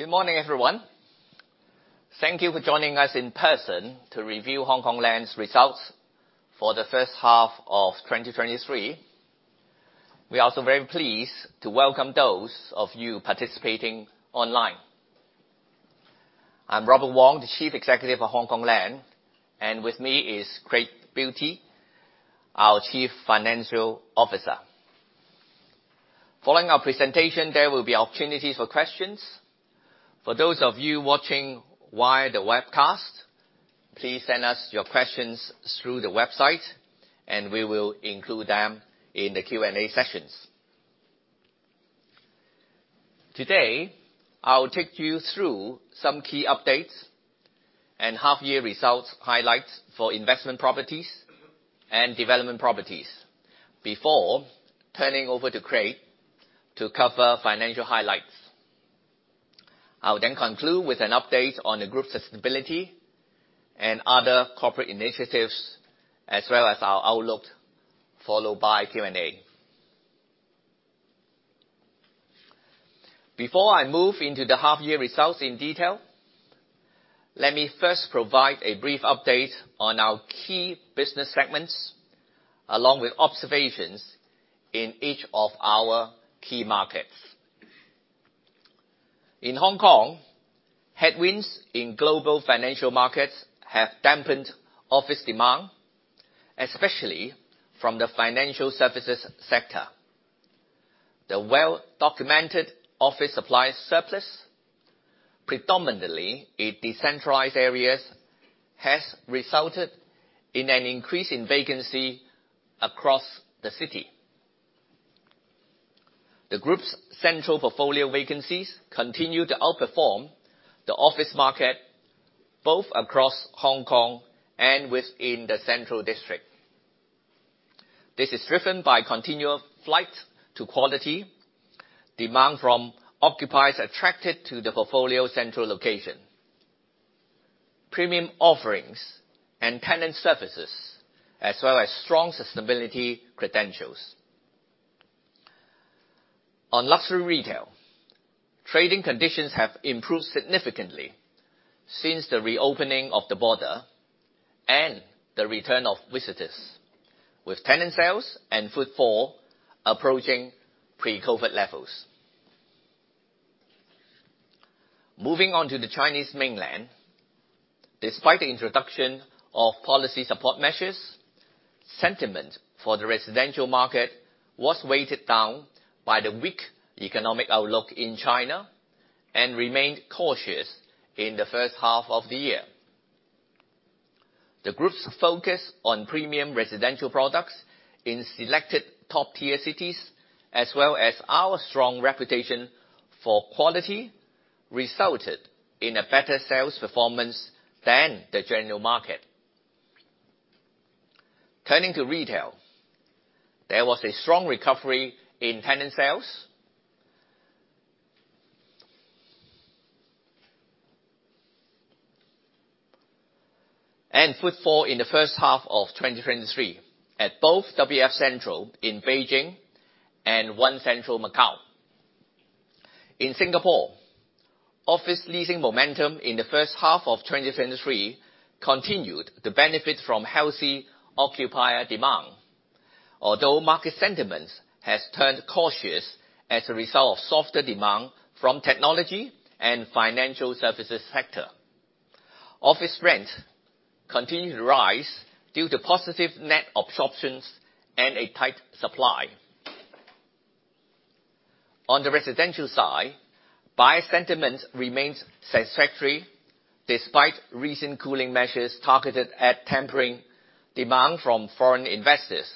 Good morning, everyone. Thank you for joining us in person to review Hongkong Land's results for the first half of 2023. We are also very pleased to welcome those of you participating online. I'm Robert Wong, the Chief Executive of Hongkong Land, and with me is Craig Beattie, our Chief Financial Officer. Following our presentation, there will be opportunity for questions. For those of you watching via the webcast, please send us your questions through the website and we will include them in the Q&A sessions. Today, I will take you through some key updates and half year results highlights for investment properties and development properties before turning over to Craig to cover financial highlights. I will then conclude with an update on the group's sustainability and other corporate initiatives, as well as our outlook, followed by Q&A. Before I move into the half year results in detail, let me first provide a brief update on our key business segments, along with observations in each of our key markets. In Hong Kong, headwinds in global financial markets have dampened office demand, especially from the financial services sector. The well-documented office supply surplus, predominantly in decentralized areas, has resulted in an increase in vacancy across the city. The group's Central portfolio vacancies continue to outperform the office market, both across Hong Kong and within the Central District. This is driven by continual flight to quality, demand from occupiers attracted to the portfolio Central location, premium offerings and tenant services, as well as strong sustainability credentials. On luxury retail, trading conditions have improved significantly since the reopening of the border and the return of visitors, with tenant sales and footfall approaching pre-COVID levels. Moving on to the Chinese mainland. Despite the introduction of policy support measures, sentiment for the residential market was weighted down by the weak economic outlook in China and remained cautious in the first half of the year. The group's focus on premium residential products in selected top-tier cities, as well as our strong reputation for quality, resulted in a better sales performance than the general market. Turning to retail, there was a strong recovery in tenant sales. Footfall in the first half of 2023 at both WF CENTRAL in Beijing and ONE CENTRAL MACAU. In Singapore, office leasing momentum in the first half of 2023 continued to benefit from healthy occupier demand. Although market sentiments has turned cautious as a result of softer demand from technology and financial services sector. Office rent continued to rise due to positive net absorptions and a tight supply. On the residential side, buyer sentiment remains satisfactory despite recent cooling measures targeted at tampering demand from foreign investors.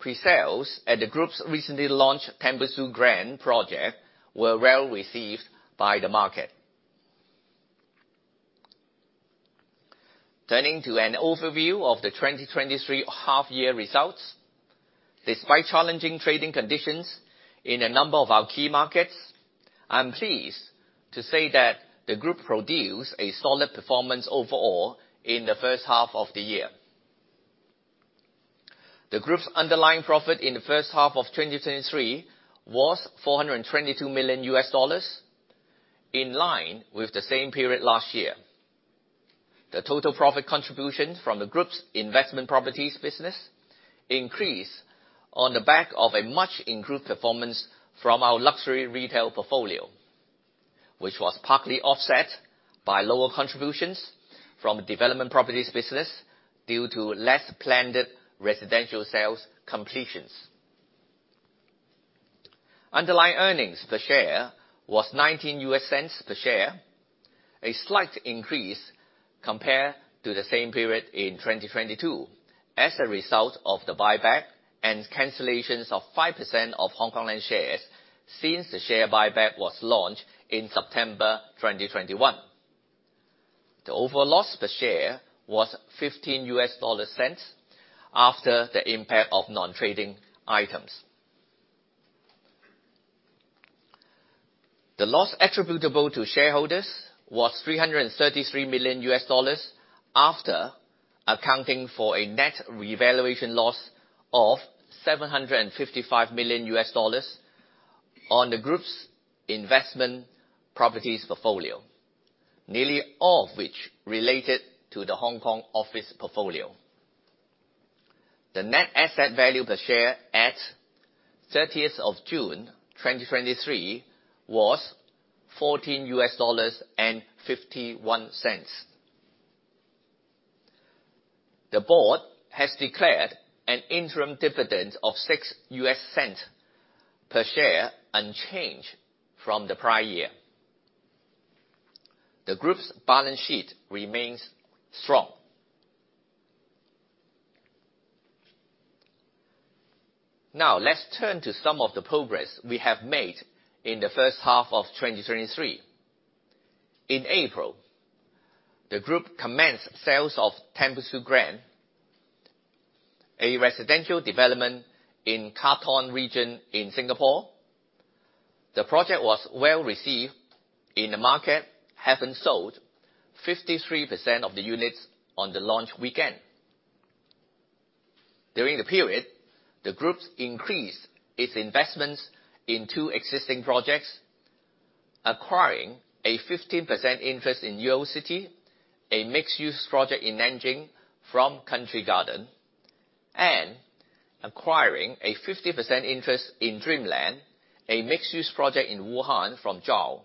Presales at the group's recently launched Tembusu Grand project were well received by the market. Turning to an overview of the 2023 half year results. Despite challenging trading conditions in a number of our key markets, I'm pleased to say that the group produced a solid performance overall in the first half of the year. The group's underlying profit in the first half of 2023 was $422 million, in line with the same period last year. The total profit contribution from the group's investment properties business increased on the back of a much improved performance from our luxury retail portfolio, which was partly offset by lower contributions from development properties business due to less planned residential sales completions. Underlying earnings per share was $0.19 per share, a slight increase compared to the same period in 2022 as a result of the buyback and cancellations of 5% of Hongkong Land shares since the share buyback was launched in September 2021. The overall loss per share was $0.15 after the impact of non-trading items. The loss attributable to shareholders was $333 million after accounting for a net revaluation loss of $755 million on the group's investment properties portfolio, nearly all of which related to the Hong Kong office portfolio. The net asset value per share at 30th of June 2023 was $14.51. The board has declared an interim dividend of $0.06 per share, unchanged from the prior year. The group's balance sheet remains strong. Let's turn to some of the progress we have made in the first half of 2023. In April, the group commenced sales of Tembusu Grand, a residential development in Katong region in Singapore. The project was well-received in the market, having sold 53% of the units on the launch weekend. During the period, the group increased its investments in two existing projects, acquiring a 15% interest in Yue City, a mixed-use project in Nanjing from Country Garden, and acquiring a 50% interest in Dreamland, a mixed-use project in Wuhan from Zall.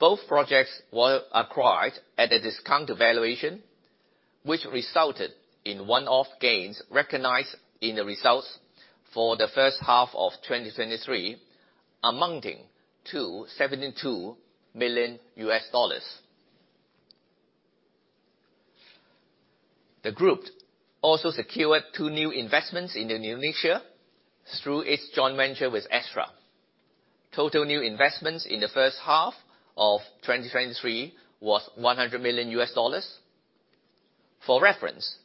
Both projects were acquired at a discount to valuation, which resulted in one-off gains recognized in the results for the first half of 2023, amounting to $72 million. The group also secured two new investments in Indonesia through its joint venture with Astra. Total new investments in the first half of 2023 was $100 million. For reference,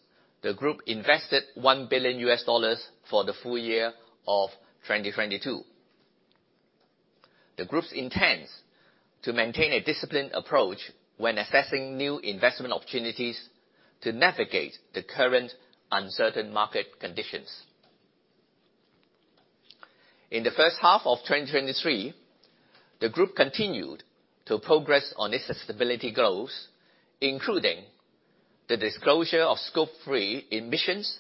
the group invested $1 billion for the full year of 2022. The group intends to maintain a disciplined approach when assessing new investment opportunities to navigate the current uncertain market conditions. In the first half of 2023, the group continued to progress on its sustainability goals, including the disclosure of Scope 3 emissions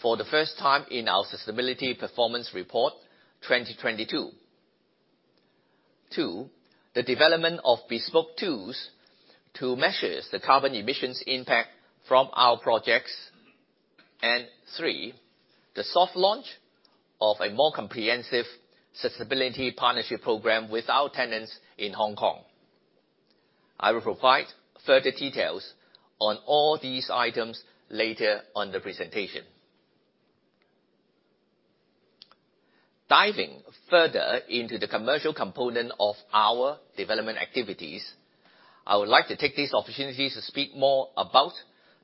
for the first time in our sustainability performance report 2022. Two, the development of bespoke tools to measure the carbon emissions impact from our projects. Three, the soft launch of a more comprehensive sustainability partnership program with our tenants in Hong Kong. I will provide further details on all these items later on in the presentation. Diving further into the commercial component of our development activities, I would like to take this opportunity to speak more about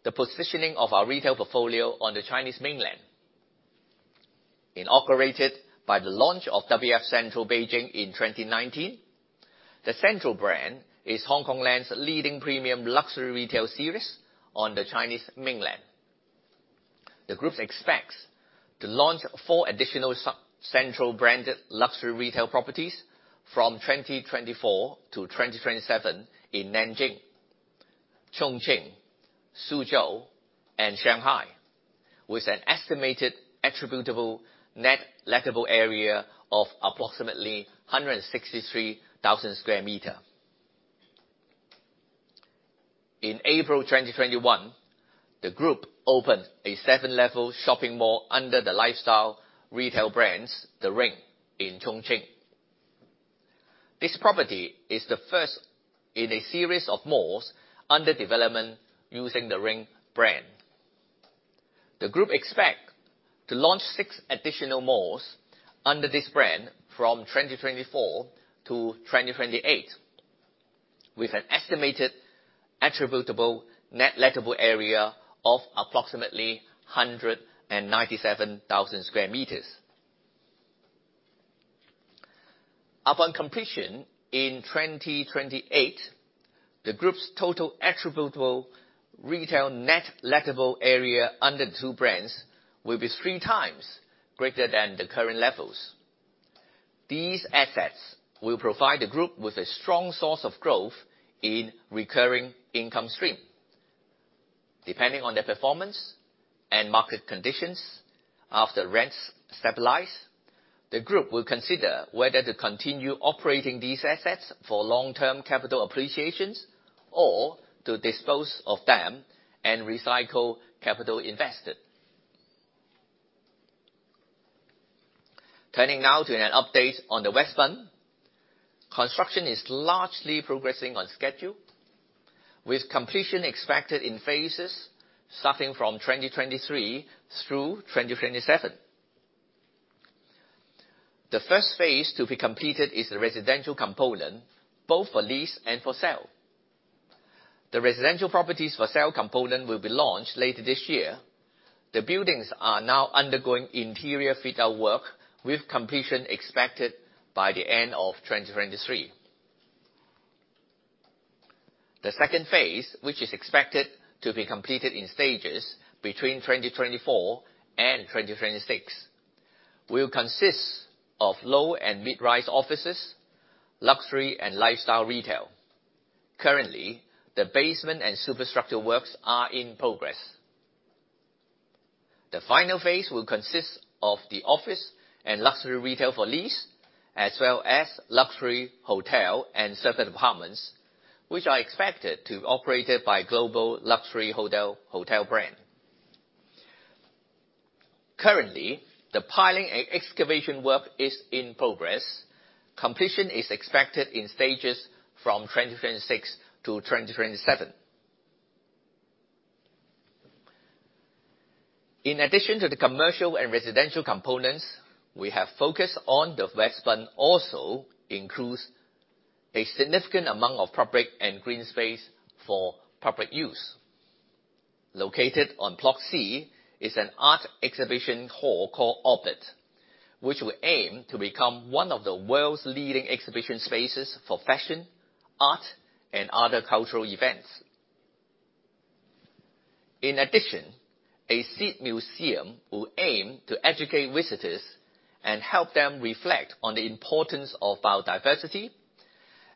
the positioning of our retail portfolio on the Chinese mainland. Inaugurated by the launch of WF CENTRAL Beijing in 2019, the CENTRAL brand is Hongkong Land's leading premium luxury retail series on the Chinese mainland. The group expects to launch four additional CENTRAL branded luxury retail properties from 2024 to 2027 in Nanjing, Chongqing, Suzhou, and Shanghai, with an estimated attributable net lettable area of approximately 163,000 sq m. In April 2021, the group opened a seven-level shopping mall under the lifestyle retail brands The Ring in Chongqing. This property is the first in a series of malls under development using the Ring brand. The group expects to launch six additional malls under this brand from 2024 to 2028, with an estimated attributable net lettable area of approximately 197,000 sq m. Upon completion in 2028, the group's total attributable retail net lettable area under the two brands will be three times greater than the current levels. These assets will provide the group with a strong source of growth in recurring income stream. Depending on their performance and market conditions after rents stabilize, the group will consider whether to continue operating these assets for long-term capital appreciations or to dispose of them and recycle capital invested. Turning now to an update on the West Bund. Construction is largely progressing on schedule, with completion expected in phases starting from 2023 through 2027. The first phase to be completed is the residential component, both for lease and for sale. The residential properties for sale component will be launched later this year. The buildings are now undergoing interior fit-out work, with completion expected by the end of 2023. The second phase, which is expected to be completed in stages between 2024 and 2026, will consist of low and mid-rise offices, luxury and lifestyle retail. Currently, the basement and superstructure works are in progress. The final phase will consist of the office and luxury retail for lease, as well as luxury hotel and separate apartments, which are expected to be operated by a global luxury hotel brand. Currently, the piling and excavation work is in progress. Completion is expected in stages from 2026 to 2027. In addition to the commercial and residential components, we have focused on the West Bund also includes a significant amount of public and green space for public use. Located on Plot C is an art exhibition hall called Orbit, which will aim to become one of the world's leading exhibition spaces for fashion, art, and other cultural events. In addition, a seed museum will aim to educate visitors and help them reflect on the importance of biodiversity,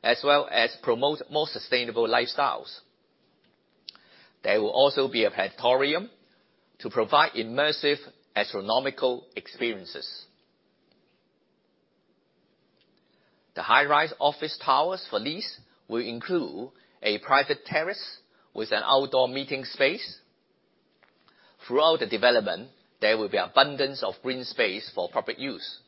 as well as promote more sustainable lifestyles. There will also be a planetarium to provide immersive astronomical experiences. The high-rise office towers for lease will include a private terrace with an outdoor meeting space. Throughout the development, there will be abundance of green space for public use.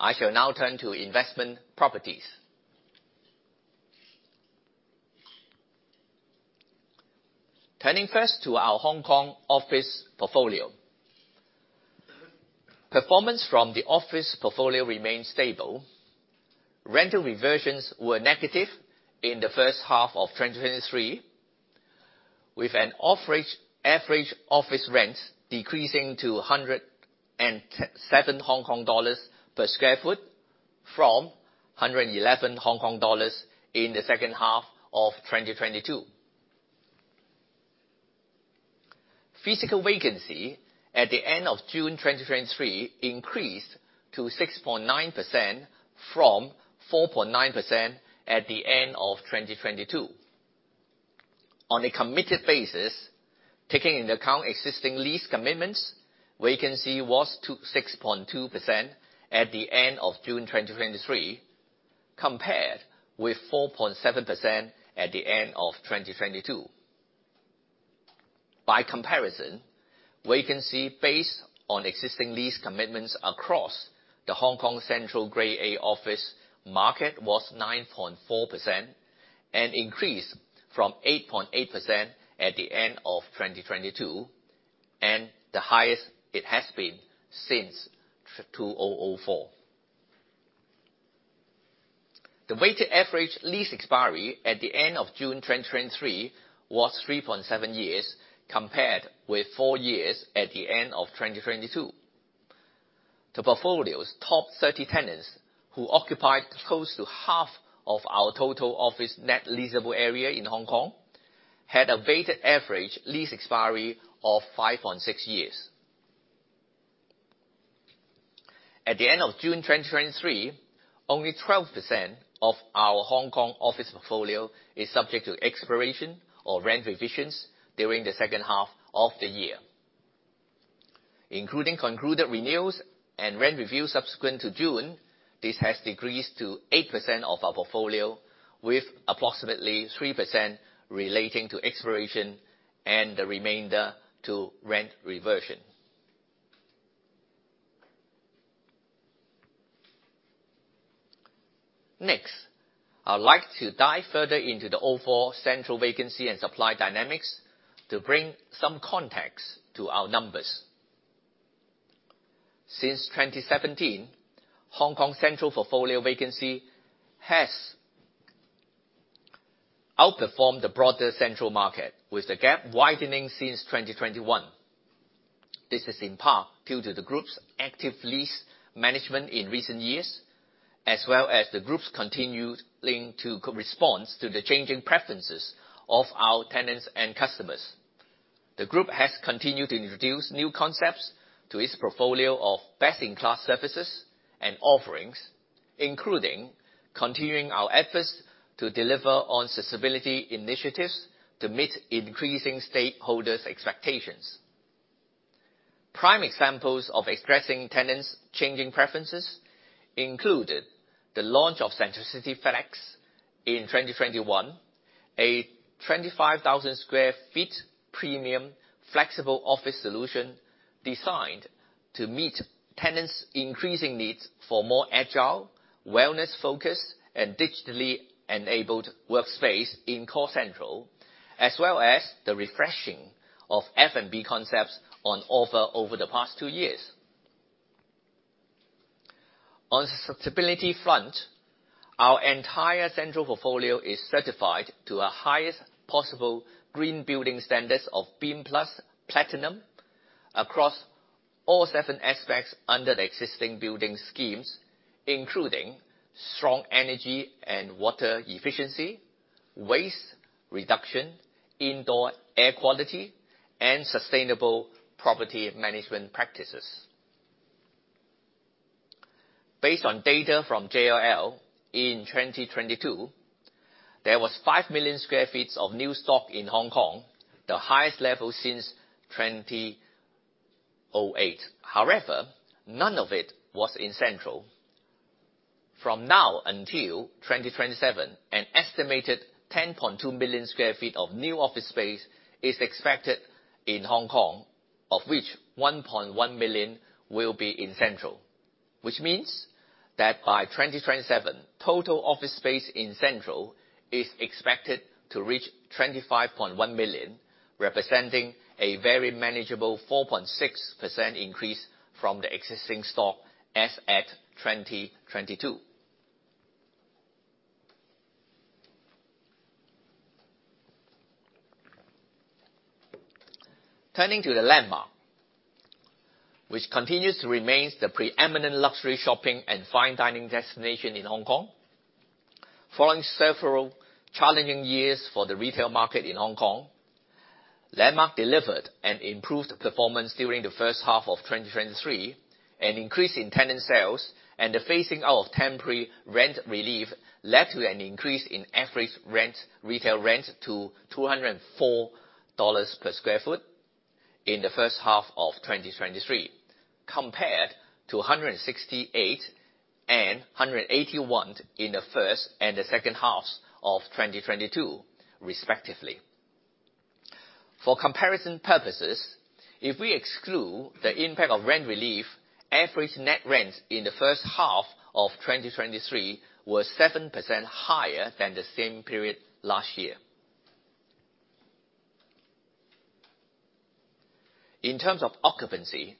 I shall now turn to Investment Properties. Turning first to our Hong Kong office portfolio. Performance from the office portfolio remained stable. Rental reversions were negative in the first half of 2023, with an average office rent decreasing to 107 Hong Kong dollars per square foot from 111 Hong Kong dollars in the second half of 2022. Physical vacancy at the end of June 2023 increased to 6.9% from 4.9% at the end of 2022. On a committed basis, taking into account existing lease commitments, vacancy was to 6.2% at the end of June 2023, compared with 4.7% at the end of 2022. By comparison, vacancy based on existing lease commitments across the Hong Kong Central Grade A office market was 9.4% and increased from 8.8% at the end of 2022, and the highest it has been since 2004. The weighted average lease expiry at the end of June 2023 was 3.7 years, compared with four years at the end of 2022. The portfolio's top 30 tenants, who occupied close to half of our total office net leasable area in Hong Kong, had a weighted average lease expiry of 5.6 years. At the end of June 2023, only 12% of our Hong Kong office portfolio is subject to expiration or rent revisions during the second half of the year. Including concluded renewals and rent reviews subsequent to June, this has decreased to 8% of our portfolio, with approximately 3% relating to expiration and the remainder to rent reversion. Next, I would like to dive further into the overall Central vacancy and supply dynamics to bring some context to our numbers. Since 2017, Hong Kong Central portfolio vacancy has outperformed the broader Central market, with the gap widening since 2021. This is in part due to the Group's active lease management in recent years, as well as the Group's continuing to respond to the changing preferences of our tenants and customers. The Group has continued to introduce new concepts to its portfolio of best-in-class services and offerings, including continuing our efforts to deliver on sustainability initiatives to meet increasing stakeholders' expectations. Prime examples of expressing tenants' changing preferences included the launch of Centricity Flex in 2021, a 25,000 sq ft premium flexible office solution designed to meet tenants' increasing needs for more agile, wellness-focused and digitally enabled workspace in core Central, as well as the refreshing of F&B concepts on offer over the past two years. On the sustainability front, our entire Central portfolio is certified to a highest possible green building standards of BEAM Plus Platinum across all 7 aspects under the existing building schemes, including strong energy and water efficiency, waste reduction, indoor air quality, and sustainable property management practices. Based on data from JLL, in 2022, there was 5 million sq ft of new stock in Hong Kong, the highest level since 2008. However, none of it was in Central. From now until 2027, an estimated 10.2 million sq ft of new office space is expected in Hong Kong, of which 1.1 million will be in Central. This means that by 2027, total office space in Central is expected to reach 25.1 million, representing a very manageable 4.6% increase from the existing stock as at 2022. Turning to the LANDMARK, which continues to remain the preeminent luxury shopping and fine dining destination in Hong Kong. Following several challenging years for the retail market in Hong Kong, LANDMARK delivered an improved performance during the first half of 2023. An increase in tenant sales and the phasing out of temporary rent relief led to an increase in average retail rent to 204 dollars per sq ft in the first half of 2023. Compared to 168 and 181 in the first and second halves of 2022, respectively. For comparison purposes, if we exclude the impact of rent relief, average net rent in the first half of 2023 was 7% higher than the same period last year. In terms of occupancy,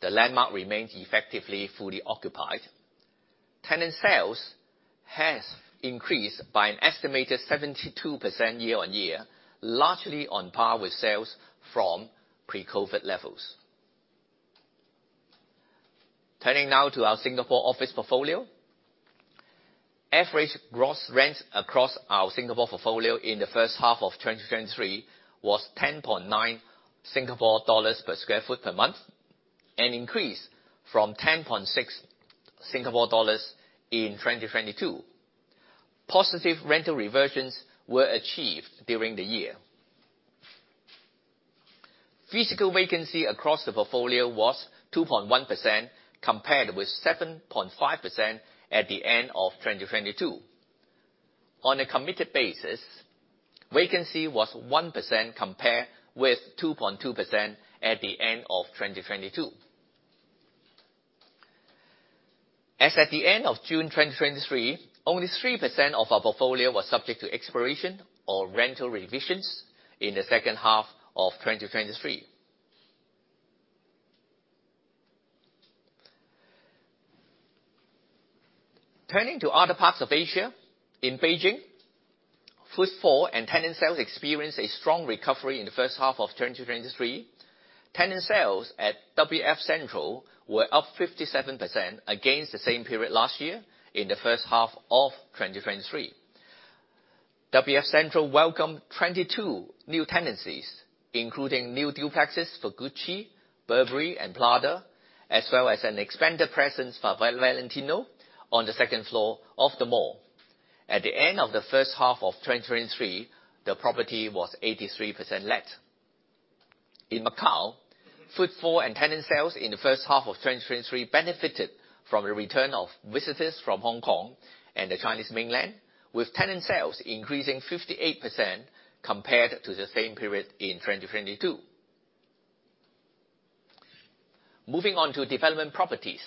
the LANDMARK remains effectively fully occupied. Tenant sales have increased by an estimated 72% year-on-year, largely on par with sales from pre-COVID levels. Turning now to our Singapore office portfolio. Average gross rent across our Singapore portfolio in the first half of 2023 was 10.9 Singapore dollars per sq ft per month, an increase from 10.6 Singapore dollars in 2022. Positive rental reversions were achieved during the year. Physical vacancy across the portfolio was 2.1%, compared with 7.5% at the end of 2022. On a committed basis, vacancy was 1%, compared with 2.2% at the end of 2022. As at the end of June 2023, only 3% of our portfolio was subject to expiration or rental revisions in the second half of 2023. Turning to other parts of Asia. In Beijing, footfall and tenant sales experienced a strong recovery in the first half of 2023. Tenant sales at WF CENTRAL were up 57% against the same period last year in the first half of 2023. WF CENTRAL welcomed 22 new tenancies, including new duplexes for Gucci, Burberry, and Prada, as well as an expanded presence for Valentino on the second floor of the mall. At the end of the first half of 2023, the property was 83% let. In Macau, footfall and tenant sales in the first half of 2023 benefited from the return of visitors from Hong Kong and the Chinese mainland, with tenant sales increasing 58% compared to the same period in 2022. Moving on to development properties.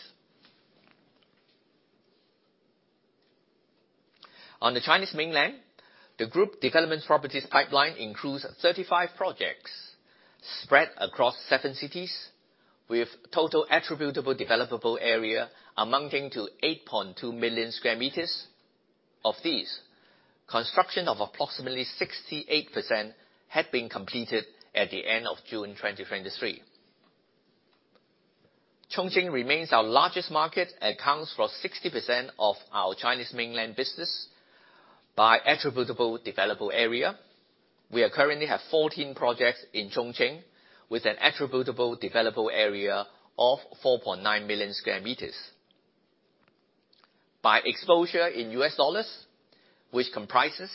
On the Chinese mainland, the group development properties pipeline includes 35 projects spread across seven cities, with total attributable developable area amounting to 8.2 million sq m. Of these, construction of approximately 68% had been completed at the end of June 2023. Chongqing remains our largest market and accounts for 60% of our Chinese mainland business by attributable developable area. We currently have 14 projects in Chongqing, with an attributable developable area of 4.9 million sq m. By exposure in US dollars, which comprises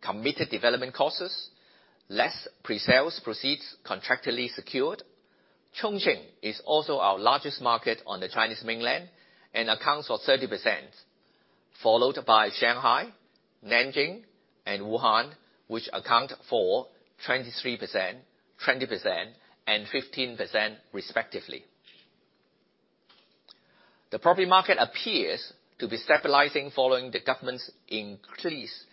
committed development costs less pre-sales proceeds contractually secured, Chongqing is also our largest market on the Chinese mainland and accounts for 30%, followed by Shanghai, Nanjing, and Wuhan, which account for 23%, 20%, and 15% respectively. The property market appears to be stabilizing following the government's increased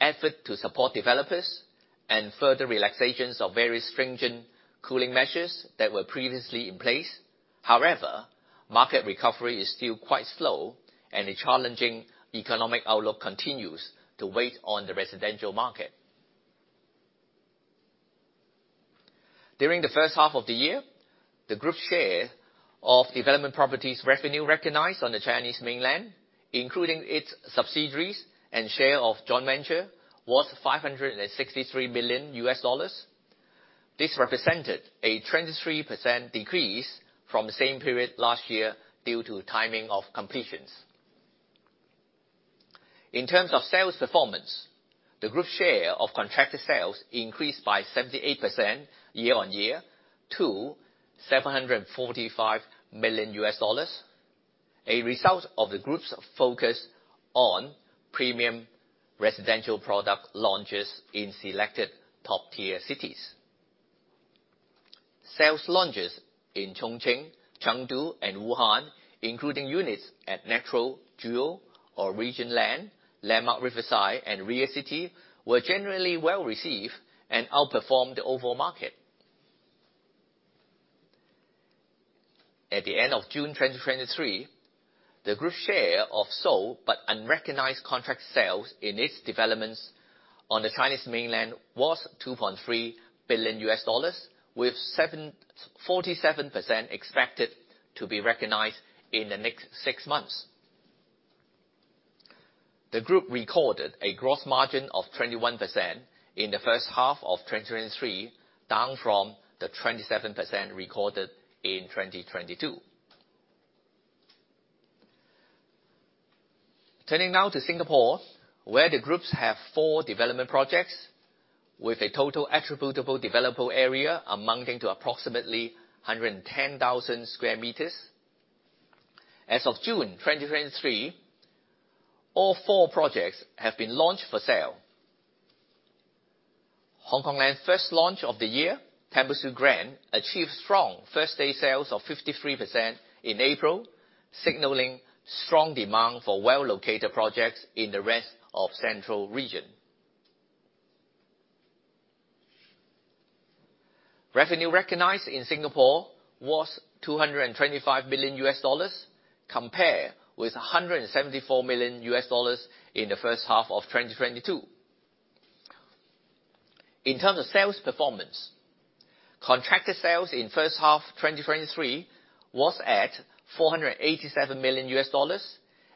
effort to support developers and further relaxations of very stringent cooling measures that were previously in place. However, market recovery is still quite slow and the challenging economic outlook continues to weigh on the residential market. During the first half of the year, the group's share of development properties revenue recognized on the Chinese mainland, including its subsidiaries and share of joint venture, was $563 million. This represented a 23% decrease from the same period last year due to timing of completions. In terms of sales performance, the group's share of contracted sales increased by 78% year-on-year to $745 million, a result of the group's focus on premium residential product launches in selected top-tier cities. Sales launches in Chongqing, Chengdu, and Wuhan, including units at Natural Jewel or Region Land, Landmark Riverside, and Ria City, were generally well-received and outperformed the overall market. At the end of June 2023, the group's share of sold but unrecognized contract sales in its developments on the Chinese mainland was $2.3 billion, with 47% expected to be recognized in the next six months. The group recorded a gross margin of 21% in the first half of 2023, down from the 27% recorded in 2022. Turning now to Singapore, where the groups have four development projects with a total attributable developable area amounting to approximately 110,000 sq m. As of June 2023, all four projects have been launched for sale. Hongkong Land's first launch of the year, Tembusu Grand, achieved strong first-day sales of 53% in April, signaling strong demand for well-located projects in the rest of central region. Revenue recognized in Singapore was $225 million, compared with $174 million in the first half of 2022. In terms of sales performance, contracted sales in first half 2023 was at $487 million,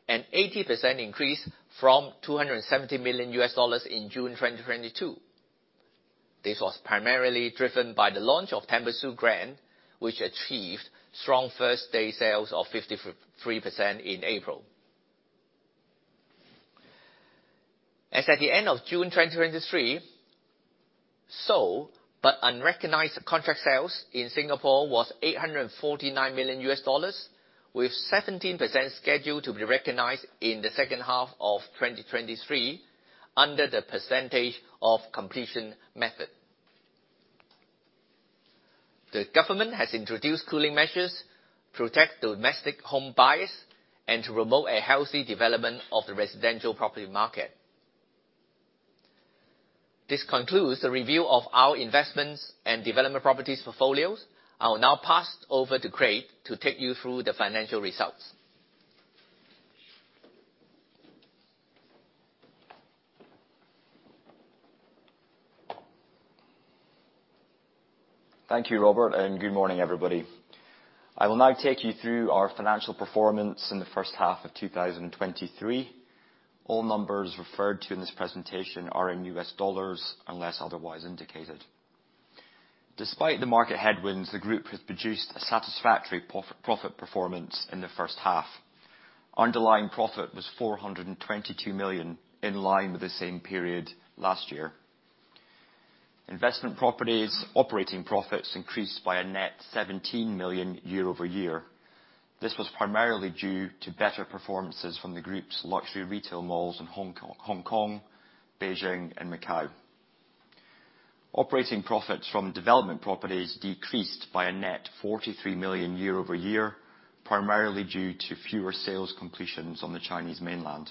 an 80% increase from $270 million in June 2022. This was primarily driven by the launch of Tembusu Grand, which achieved strong first-day sales of 53% in April. As at the end of June 2023, sold but unrecognized contract sales in Singapore was $849 million, with 17% scheduled to be recognized in the second half of 2023 under the percentage of completion method. The government has introduced cooling measures to protect domestic home buyers and to promote a healthy development of the residential property market. This concludes the review of our investments and development properties portfolios. I will now pass over to Craig to take you through the financial results. Thank you, Robert, good morning, everybody. I will now take you through our financial performance in the first half of 2023. All numbers referred to in this presentation are in U.S. dollars, unless otherwise indicated. Despite the market headwinds, the group has produced a satisfactory profit performance in the first half. Underlying profit was $422 million, in line with the same period last year. Investment properties operating profits increased by a net $17 million year-over-year. This was primarily due to better performances from the group's luxury retail malls in Hong Kong, Beijing, and Macau. Operating profits from development properties decreased by a net $43 million year-over-year, primarily due to fewer sales completions on the Chinese mainland.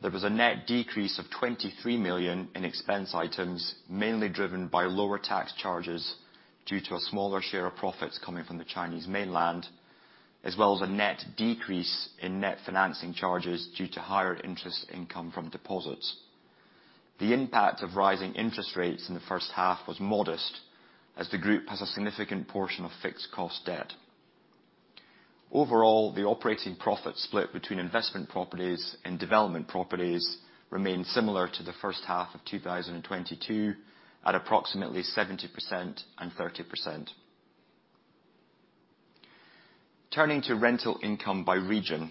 There was a net decrease of $23 million in expense items, mainly driven by lower tax charges due to a smaller share of profits coming from the Chinese mainland, as well as a net decrease in net financing charges due to higher interest income from deposits. The impact of rising interest rates in the first half was modest, as the group has a significant portion of fixed cost debt. Overall, the operating profit split between investment properties and development properties remained similar to the first half of 2022 at approximately 70% and 30%. Turning to rental income by region,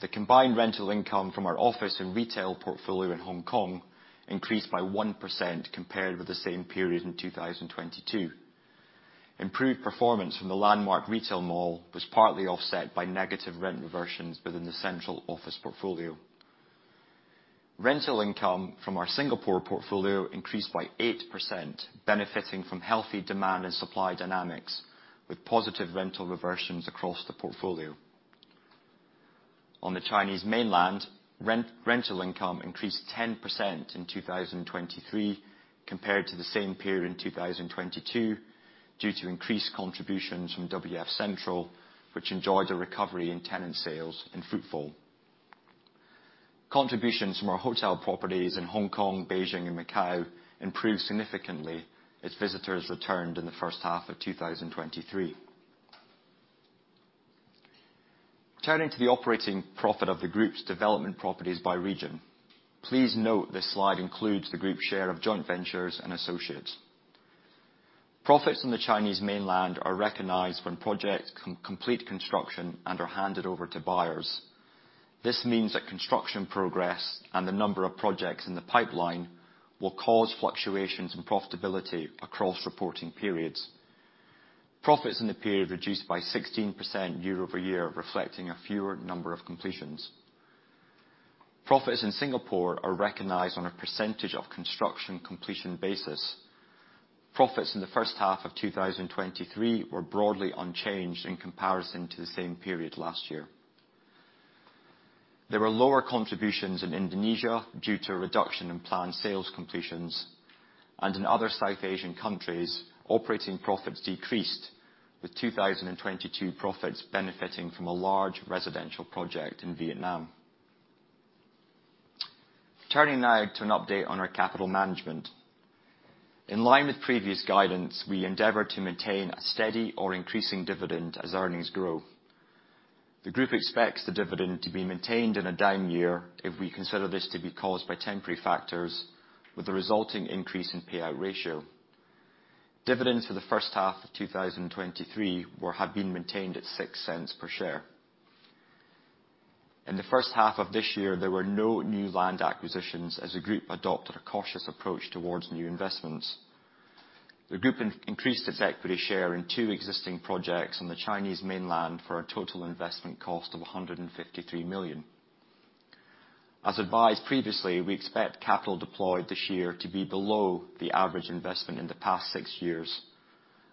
the combined rental income from our office and retail portfolio in Hong Kong increased by 1% compared with the same period in 2022. Improved performance from the LANDMARK retail mall was partly offset by negative rent reversions within the CENTRAL office portfolio. Rental income from our Singapore portfolio increased by 8%, benefiting from healthy demand and supply dynamics, with positive rental reversions across the portfolio. On the Chinese mainland, rental income increased 10% in 2023 compared to the same period in 2022, due to increased contributions from WF CENTRAL, which enjoyed a recovery in tenant sales and footfall. Contributions from our hotel properties in Hong Kong, Beijing, and Macau improved significantly as visitors returned in the first half of 2023. Turning to the operating profit of the group's development properties by region. Please note this slide includes the group share of joint ventures and associates. Profits in the Chinese mainland are recognized when projects complete construction and are handed over to buyers. This means that construction progress and the number of projects in the pipeline will cause fluctuations in profitability across reporting periods. Profits in the period reduced by 16% year-over-year, reflecting a fewer number of completions. Profits in Singapore are recognized on a percentage of construction completion basis. Profits in the first half of 2023 were broadly unchanged in comparison to the same period last year. There were lower contributions in Indonesia due to a reduction in planned sales completions. In other South Asian countries, operating profits decreased, with 2022 profits benefiting from a large residential project in Vietnam. Turning now to an update on our capital management. In line with previous guidance, we endeavor to maintain a steady or increasing dividend as earnings grow. The group expects the dividend to be maintained in a down year if we consider this to be caused by temporary factors, with the resulting increase in payout ratio. Dividends for the first half of 2023 have been maintained at $0.06 per share. In the first half of this year, there were no new land acquisitions, as the group adopted a cautious approach towards new investments. The group increased its equity share in two existing projects on the Chinese mainland for a total investment cost of $153 million. As advised previously, we expect capital deployed this year to be below the average investment in the past six years.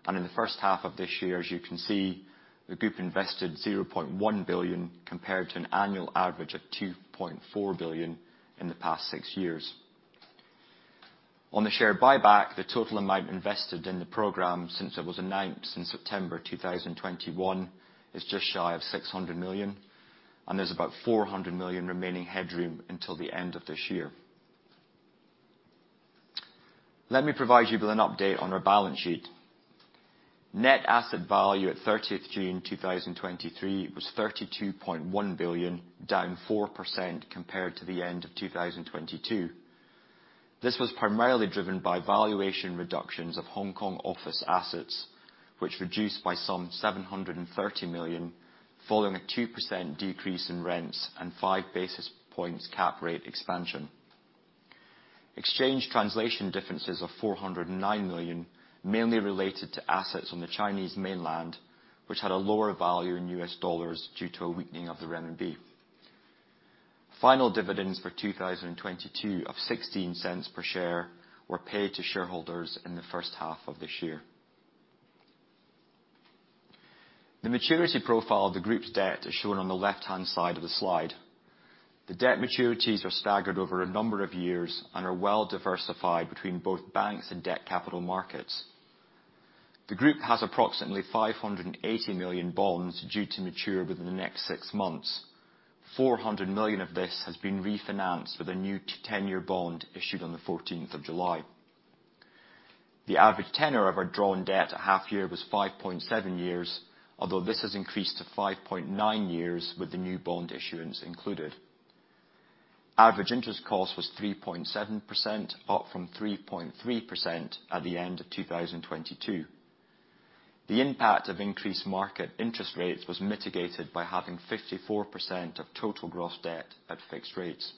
In the first half of this year, as you can see, the group invested $0.1 billion, compared to an annual average of $2.4 billion in the past six years. On the share buyback, the total amount invested in the program since it was announced in September 2021 is just shy of $600 million, and there's about $400 million remaining headroom until the end of this year. Let me provide you with an update on our balance sheet. Net asset value at 30th June 2023 was $32.1 billion, down 4% compared to the end of 2022. This was primarily driven by valuation reductions of Hong Kong office assets, which reduced by some $730 million, following a 2% decrease in rents and five basis points cap rate expansion. Exchange translation differences of $409 million mainly related to assets on the Chinese mainland, which had a lower value in US dollars due to a weakening of the renminbi. Final dividends for 2022 of $0.16 per share were paid to shareholders in the first half of this year. The maturity profile of the group's debt is shown on the left-hand side of the slide. The debt maturities are staggered over a number of years and are well diversified between both banks and debt capital markets. The group has approximately $580 million bonds due to mature within the next six months, $400 million of this has been refinanced with a new 10-year bond issued on the 14th of July. The average tenure of our drawn debt at half year was 5.7 years, although this has increased to 5.9 years with the new bond issuance included. Average interest cost was 3.7%, up from 3.3% at the end of 2022. The impact of increased market interest rates was mitigated by having 54% of total gross debt at fixed rates.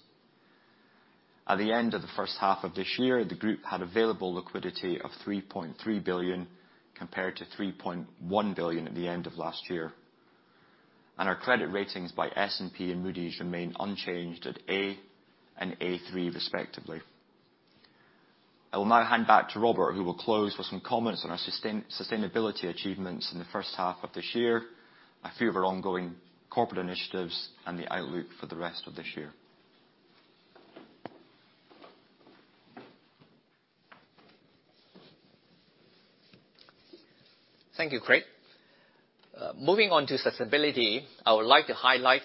At the end of the first half of this year, the group had available liquidity of $3.3 billion, compared to $3.1 billion at the end of last year. Our credit ratings by S&P and Moody's remain unchanged at A and A3 respectively. I will now hand back to Robert, who will close with some comments on our sustainability achievements in the first half of this year, a few of our ongoing corporate initiatives, and the outlook for the rest of this year. Thank you, Craig. Moving on to sustainability, I would like to highlight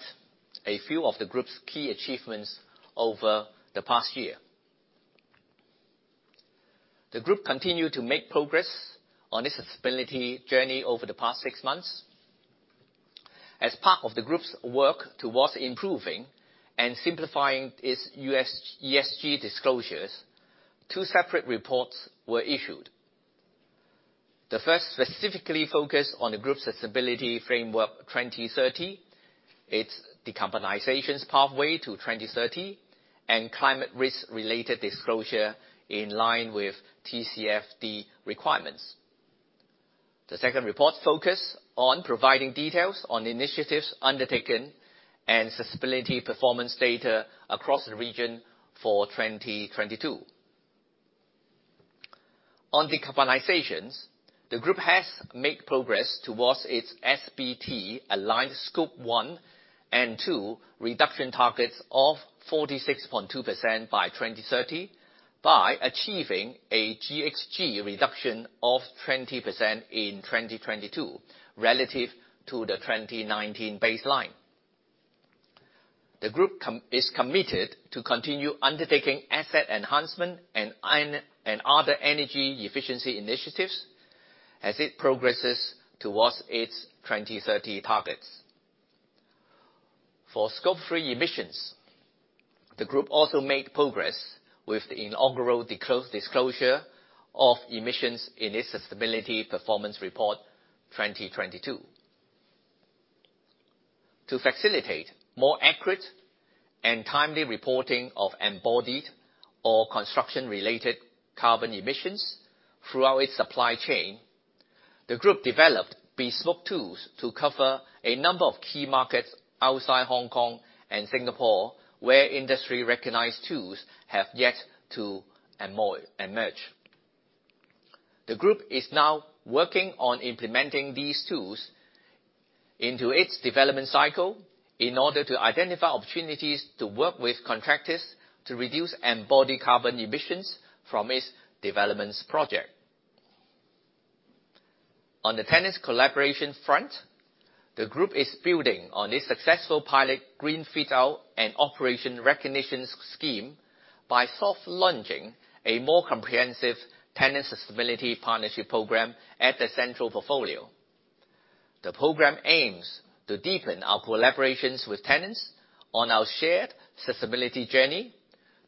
a few of the group's key achievements over the past year. The group continued to make progress on its sustainability journey over the past six months. As part of the group's work towards improving and simplifying its ESG disclosures, two separate reports were issued. The first specifically focused on the group sustainability framework 2030, its decarbonizations pathway to 2030, and climate risk-related disclosure in line with TCFD requirements. The second report focused on providing details on initiatives undertaken and sustainability performance data across the region for 2022. On decarbonizations, the group has made progress towards its SBT-aligned Scope 1 and 2 reduction targets of 46.2% by 2030, by achieving a GHG reduction of 20% in 2022 relative to the 2019 baseline. The group is committed to continue undertaking asset enhancement and other energy efficiency initiatives as it progresses towards its 2030 targets. For Scope 3 emissions, the group also made progress with the inaugural disclosure of emissions in its sustainability performance report 2022. To facilitate more accurate and timely reporting of embodied or construction-related carbon emissions throughout its supply chain, the group developed bespoke tools to cover a number of key markets outside Hong Kong and Singapore, where industry-recognized tools have yet to emerge. The group is now working on implementing these tools into its development cycle in order to identify opportunities to work with contractors to reduce embodied carbon emissions from its developments project. On the tenant collaboration front, the group is building on this successful pilot green fit-out and operation recognition scheme by soft launching a more comprehensive Tenant Sustainability Partnership Program at the CENTRAL portfolio. The program aims to deepen our collaborations with tenants on our shared sustainability journey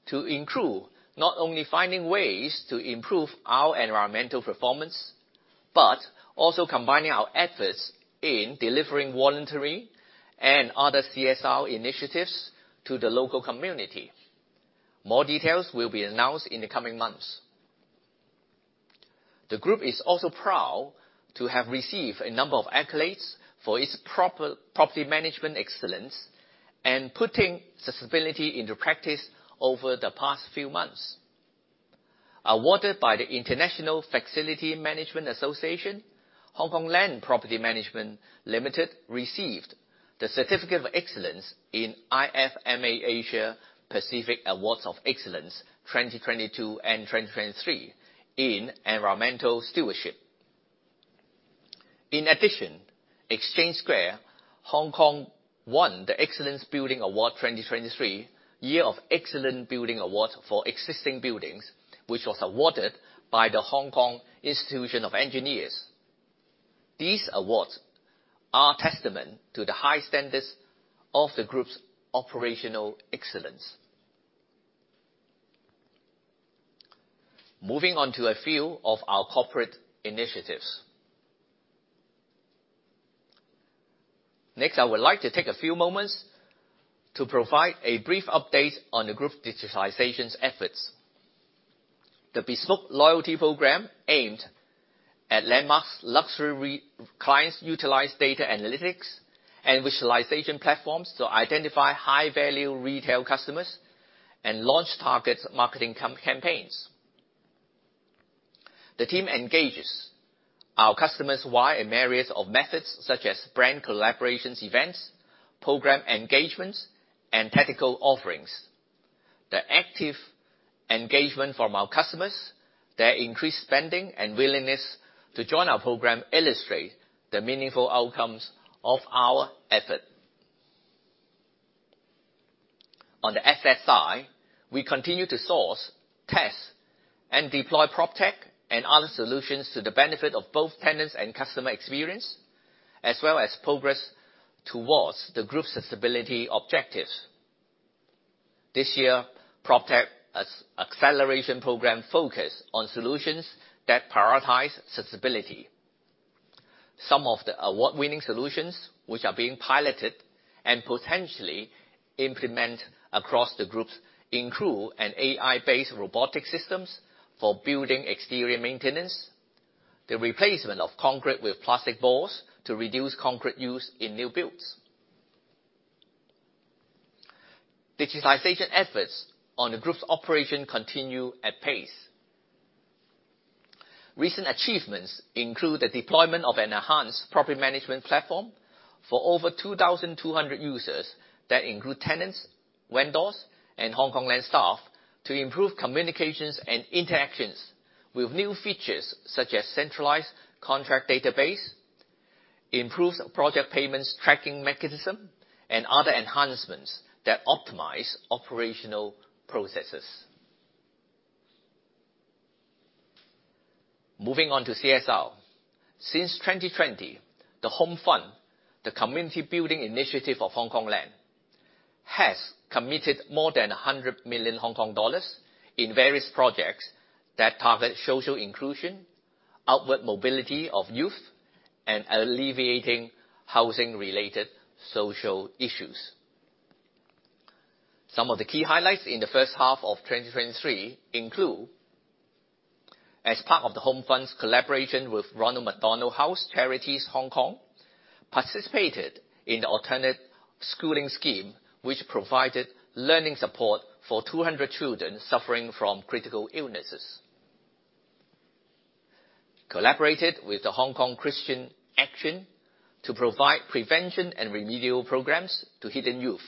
to include not only finding ways to improve our environmental performance, but also combining our efforts in delivering voluntary and other CSR initiatives to the local community. More details will be announced in the coming months. The group is also proud to have received a number of accolades for its property management excellence and putting sustainability into practice over the past few months. Awarded by the International Facility Management Association, Hongkong Land Property Management Limited received the Certificate of Excellence in IFMA Asia Pacific Awards of Excellence 2022 and 2023 in Environmental Stewardship. In addition, Exchange Square Hong Kong won The Excellent Building Award 2023, Year of Excellent Building Award for existing buildings, which was awarded by The Hong Kong Institution of Engineers. These awards are testament to the high standards of the group's operational excellence. Moving on to a few of our corporate initiatives. Next, I would like to take a few moments to provide a brief update on the group digitalization efforts. The bespoke loyalty program aimed at LANDMARK's luxury clients utilize data analytics and visualization platforms to identify high-value retail customers and launch targeted marketing campaigns. The team engages our customers via a myriad of methods such as brand collaborations events, program engagements, and tactical offerings. The active engagement from our customers, their increased spending, and willingness to join our program illustrate the meaningful outcomes of our effort. On the SSI, we continue to source, test, and deploy PropTech and other solutions to the benefit of both tenants and customer experience, as well as progress towards the group sustainability objectives. This year, PropTech Acceleration Program focus on solutions that prioritize sustainability. Some of the award-winning solutions, which are being piloted and potentially implement across the groups include an AI-based robotic systems for building exterior maintenance, the replacement of concrete with plastic boards to reduce concrete use in new builds. Digitalization efforts on the group's operation continue at pace. Recent achievements include the deployment of an enhanced property management platform for over 2,200 users that include tenants, vendors, and Hongkong Land staff to improve communications and interactions with new features such as centralized contract database, improved project payments tracking mechanism, and other enhancements that optimize operational processes. Moving on to CSR. Since 2020, the HOME FUND, the community building initiative of Hongkong Land, has committed more than HK$100 million in various projects that target social inclusion, upward mobility of youth, and alleviating housing-related social issues. Some of the key highlights in the first half of 2023 include as part of the HOME FUND's collaboration with Ronald McDonald House Charities Hong Kong Participated in the alternate schooling scheme, which provided learning support for 200 children suffering from critical illnesses. Collaborated with the Hong Kong Christian Action to provide prevention and remedial programs to hidden youth.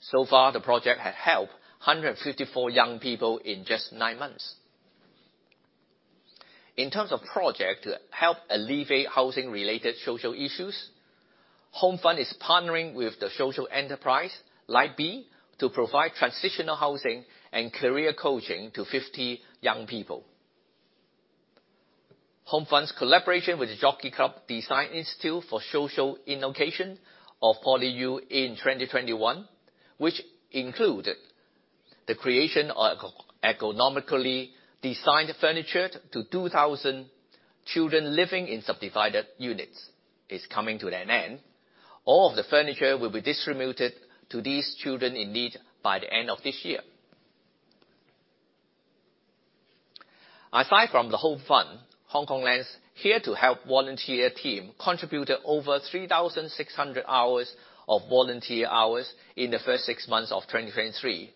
So far, the project had helped 154 young people in just nine months. In terms of project to help alleviate housing related social issues, HOME FUND is partnering with the social enterprise, Light Be, to provide transitional housing and career coaching to 50 young people. HOME FUND's collaboration with the Jockey Club Design Institute for Social Innovation of PolyU in 2021, which included the creation of ergonomically designed furniture to 2,000 children living in subdivided units is coming to an end. All of the furniture will be distributed to these children in need by the end of this year. Aside from the HOME FUND, Hongkong Land's HERE2HELP volunteer team contributed over 3,600 hours of volunteer hours in the first six months of 2023,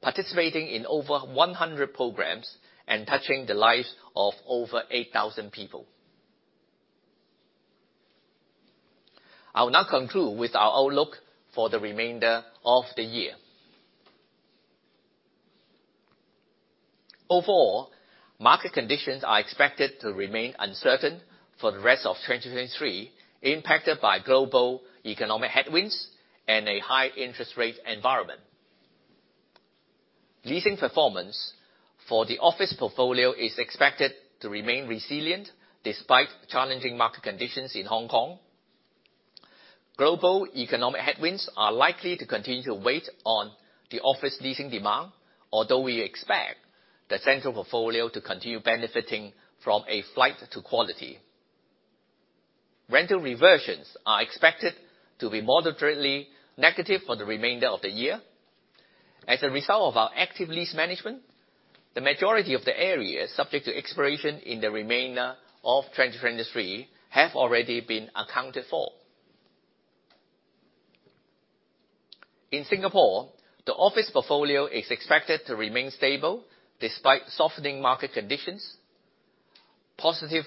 participating in over 100 programs and touching the lives of over 8,000 people. I will now conclude with our outlook for the remainder of the year. Overall, market conditions are expected to remain uncertain for the rest of 2023, impacted by global economic headwinds and a high interest rate environment. Leasing performance for the office portfolio is expected to remain resilient despite challenging market conditions in Hong Kong. Global economic headwinds are likely to continue to wait on the office leasing demand, although we expect the CENTRAL portfolio to continue benefiting from a flight to quality. Rental reversions are expected to be moderately negative for the remainder of the year. As a result of our active lease management, the majority of the areas subject to expiration in the remainder of 2023 have already been accounted for. In Singapore, the office portfolio is expected to remain stable despite softening market conditions. Positive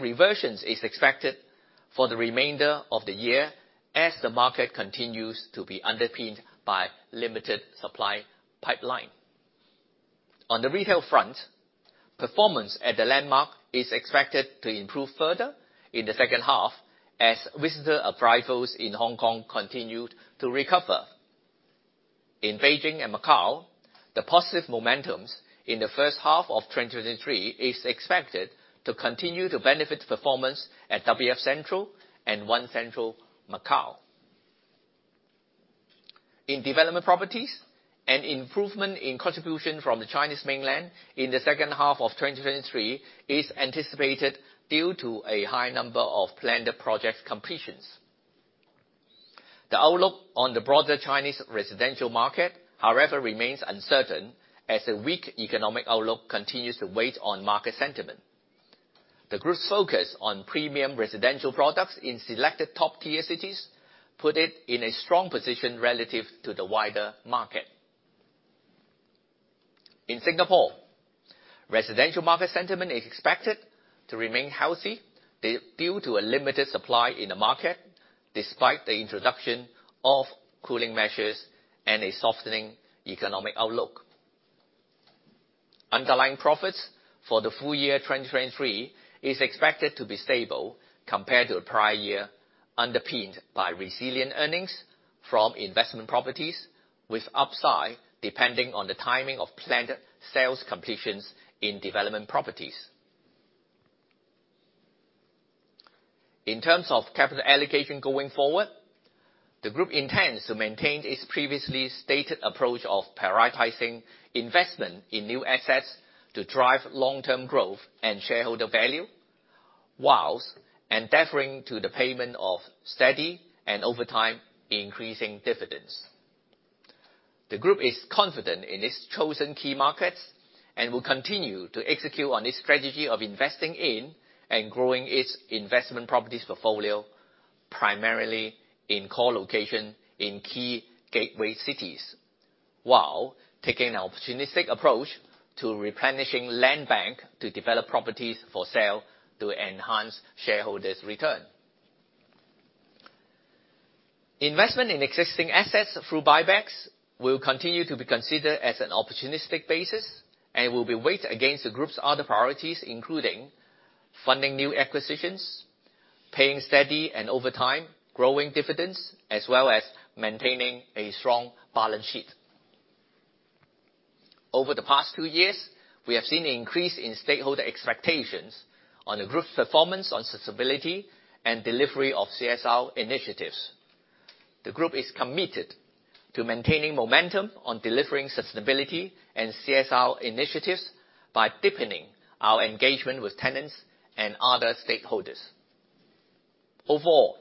reversions are expected for the remainder of the year as the market continues to be underpinned by limited supply pipeline. On the retail front, performance at the LANDMARK is expected to improve further in the second half as visitor arrivals in Hong Kong continued to recover. In Beijing and Macau, the positive momentum in the first half of 2023 is expected to continue to benefit performance at WF CENTRAL and ONE CENTRAL MACAU. In development properties, an improvement in contribution from the Chinese mainland in the second half of 2023 is anticipated due to a high number of planned project completions. The outlook on the broader Chinese residential market, however, remains uncertain as the weak economic outlook continues to weigh on market sentiment. The group's focus on premium residential products in selected top-tier cities put it in a strong position relative to the wider market. In Singapore, residential market sentiment is expected to remain healthy due to a limited supply in the market, despite the introduction of cooling measures and a softening economic outlook. Underlying profits for the full year 2023 are expected to be stable compared to the prior year, underpinned by resilient earnings from investment properties with upside, depending on the timing of planned sales completions in development properties. In terms of capital allocation going forward, the group intends to maintain its previously stated approach of prioritizing investment in new assets to drive long-term growth and shareholder value, whilst endeavoring the payment of steady and over time increasing dividends. The group is confident in its chosen key markets and will continue to execute on its strategy of investing in and growing its investment properties portfolio primarily in core locations in key gateway cities, while taking an opportunistic approach to replenishing land bank to develop properties for sale to enhance shareholders' return. Investment in existing assets through buybacks will continue to be considered on an opportunistic basis and will be weighed against the group's other priorities, including funding new acquisitions, paying steady and over time growing dividends, as well as maintaining a strong balance sheet. Over the past two years, we have seen an increase in stakeholder expectations on the group's performance on sustainability and delivery of CSR initiatives. The group is committed to maintaining momentum on delivering sustainability and CSR initiatives by deepening our engagement with tenants and other stakeholders. Overall,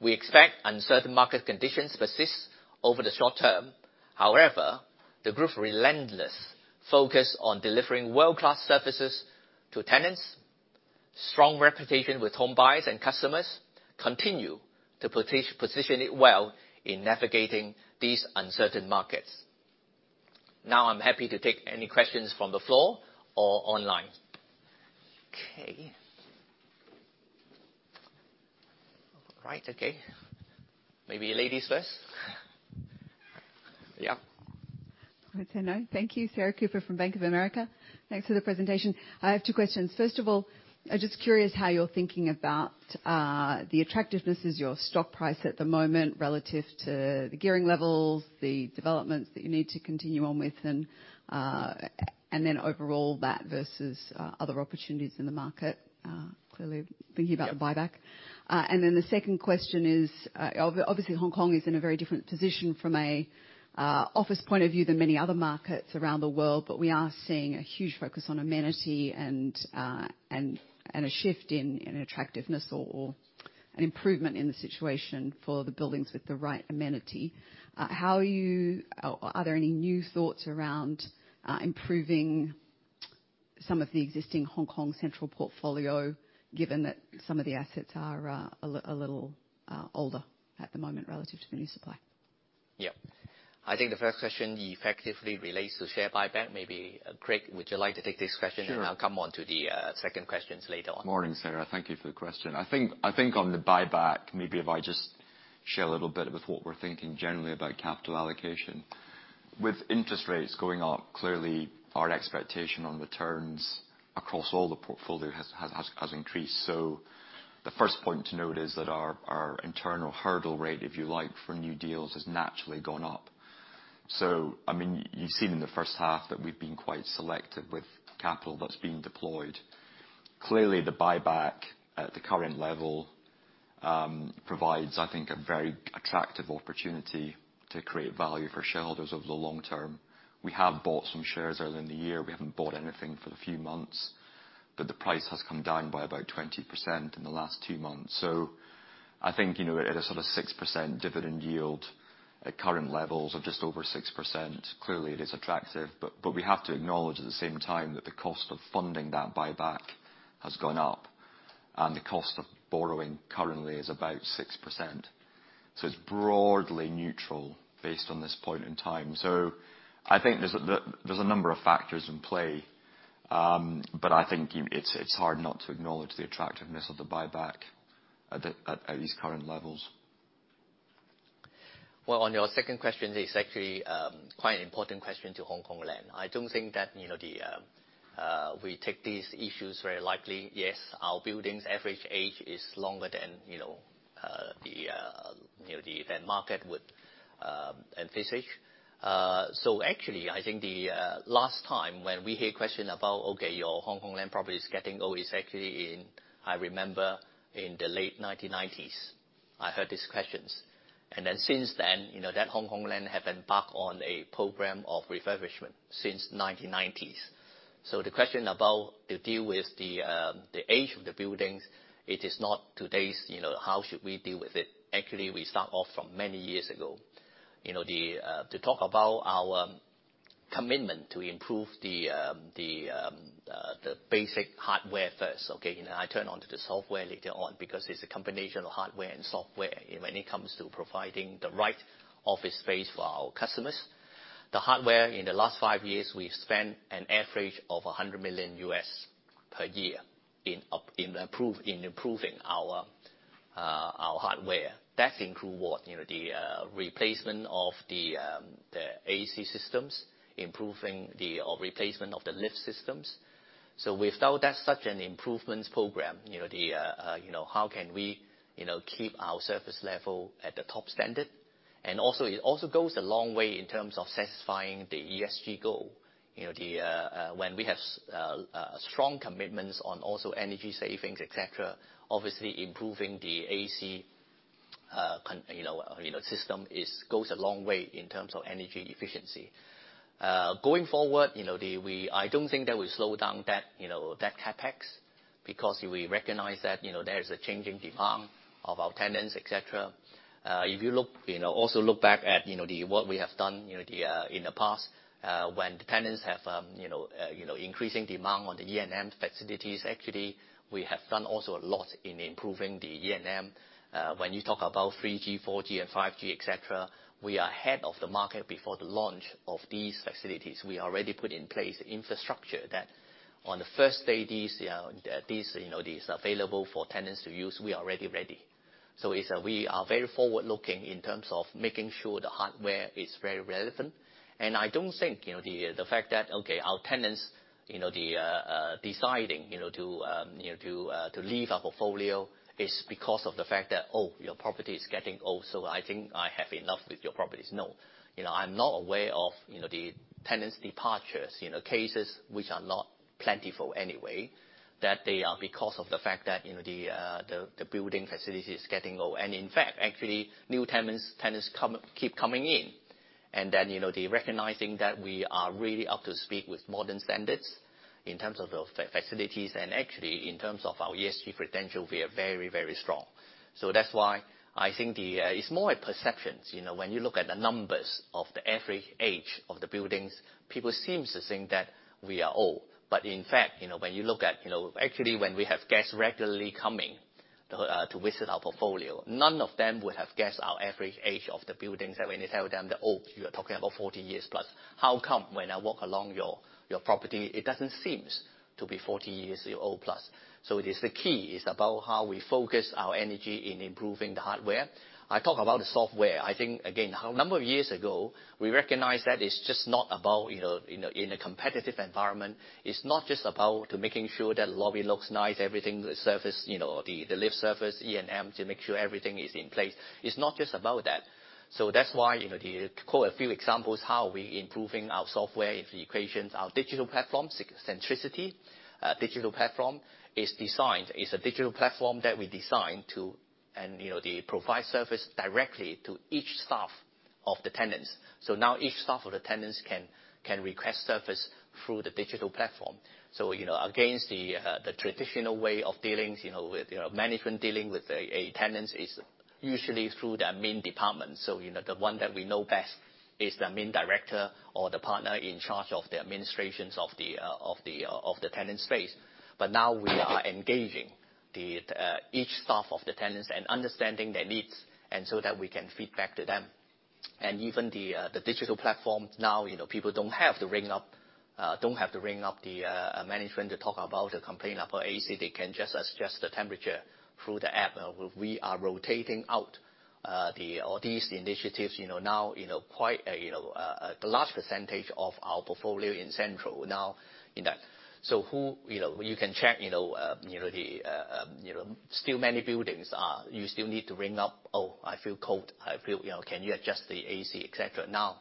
we expect uncertain market conditions persist over the short term. However, the group's relentless focus on delivering world-class services to tenants. Strong reputation with home buyers and customers continues to position it well in navigating these uncertain markets. Now, I'm happy to take any questions from the floor or online. Okay. All right. Okay. Maybe ladies first. Yeah. Okay. Thank you, Sarah Cooper from Bank of America. Thanks for the presentation. I have two questions. First of all, I'm just curious how you're thinking about the attractiveness as your stock price at the moment relative to the gearing levels, the developments that you need to continue on with, and then overall, that versus other opportunities in the market. Clearly thinking about the buyback. The second question is, obviously Hong Kong is in a very different position from an office point of view than many other markets around the world, but we are seeing a huge focus on amenity and a shift in attractiveness or an improvement in the situation for the buildings with the right amenity. Are there any new thoughts around improving some of the existing Hong Kong central portfolio, given that some of the assets are a little older at the moment relative to the new supply? I think the first question effectively relates to share buyback. Maybe Craig, would you like to take this question? Sure I'll come onto the second questions later on. Morning, Sarah. Thank you for the question. I think on the buyback, maybe if I just share a little bit with what we're thinking generally about capital allocation. With interest rates going up, clearly our expectation on returns across all the portfolio has increased. The first point to note is that our internal hurdle rate, if you like, for new deals has naturally gone up. You've seen in the first half that we've been quite selective with capital that's being deployed. Clearly, the buyback at the current level, provides, I think, a very attractive opportunity to create value for shareholders over the long term. We have bought some shares earlier in the year. We haven't bought anything for a few months. The price has come down by about 20% in the last two months. I think, at a sort of 6% dividend yield at current levels of just over 6%, clearly it is attractive. We have to acknowledge at the same time that the cost of funding that buyback has gone up, and the cost of borrowing currently is about 6%. It's broadly neutral based on this point in time. I think there's a number of factors in play, but I think it's hard not to acknowledge the attractiveness of the buyback at these current levels. Well, on your second question, it's actually quite an important question to Hongkong Land. I don't think that we take these issues very lightly. Yes, our buildings' average age is longer than the event market would envisage. Actually, I think the last time when we hear question about, okay, your Hongkong Land property is getting old, is actually in, I remember in the late 1990s, I heard these questions. Since then, Hongkong Land have embarked on a program of refurbishment since 1990s. The question about to deal with the age of the buildings, it is not today's how should we deal with it? Actually, we start off from many years ago. To talk about our commitment to improve the basic hardware first. Okay? I turn onto the software later on because it's a combination of hardware and software when it comes to providing the right office space for our customers. The hardware, in the last 5 years, we've spent an average of $100 million US per year in improving our hardware. That include what? The replacement of the AC systems, improving or replacement of the lift systems. Without that, such an improvements program, how can we keep our service level at the top standard? It also goes a long way in terms of satisfying the ESG goal. When we have strong commitments on also energy savings, et cetera. Obviously improving the AC system goes a long way in terms of energy efficiency. Going forward, I don't think that we slow down that CapEx because we recognize that there is a changing demand of our tenants, et cetera. If you also look back at what we have done in the past when the tenants have increasing demand on the E&M facilities. Actually, we have done also a lot in improving the E&M. When you talk about 3G, 4G, and 5G, et cetera, we are ahead of the market before the launch of these facilities. We already put in place infrastructure that on the first day these available for tenants to use, we are already ready. We are very forward-looking in terms of making sure the hardware is very relevant. I don't think the fact that, okay, our tenants deciding to leave our portfolio is because of the fact that, oh, your property is getting old, so I think I have enough with your properties. No. I'm not aware of the tenants departures cases, which are not plentiful anyway, that they are because of the fact that the building facility is getting old. In fact, actually new tenants keep coming in. Then, they recognizing that we are really up to speed with modern standards in terms of the facilities. Actually, in terms of our ESG credential, we are very, very strong. That's why I think it's more a perceptions. When you look at the numbers of the average age of the buildings, people seems to think that we are old. In fact, when you look at actually, when we have guests regularly coming to visit our portfolio, none of them would have guessed our average age of the buildings. When you tell them the old, you are talking about 40 years plus. How come when I walk along your property, it doesn't seem to be 40 years old plus? It is the key, is about how we focus our energy in improving the hardware. I talk about the software. I think, again, a number of years ago, we recognized that it's just not about, in a competitive environment, it's not just about making sure that lobby looks nice, everything, the lift surface, E&M, to make sure everything is in place. It's not just about that. That's why to quote a few examples how we improving our software equations, our digital platform, Centricity. Digital platform is a digital platform that we designed to provide service directly to each staff of the tenants. Now each staff of the tenants can request service through the digital platform. Against the traditional way of management dealing with the tenants is usually through their main department. The one that we know best is the main director or the partner in charge of the administrations of the tenant space. Now we are engaging each staff of the tenants and understanding their needs, and so that we can feed back to them. Even the digital platform now, people don't have to ring up the management to talk about a complaint about AC. They can just adjust the temperature through the app. We are rotating out all these initiatives. Now, the large percentage of our portfolio in Central now in that. Still many buildings are you still need to ring up, "Oh, I feel cold. Can you adjust the AC?" Et cetera.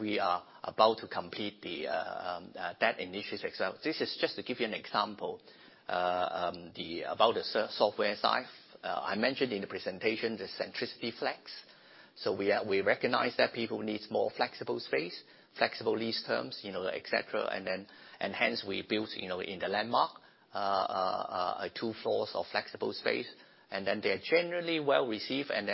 We are about to complete that initiative. This is just to give you an example about the software side. I mentioned in the presentation the Centricity Flex. We recognize that people need more flexible space, flexible lease terms, et cetera. Hence we built in the LANDMARK, two floors of flexible space, and they're generally well-received and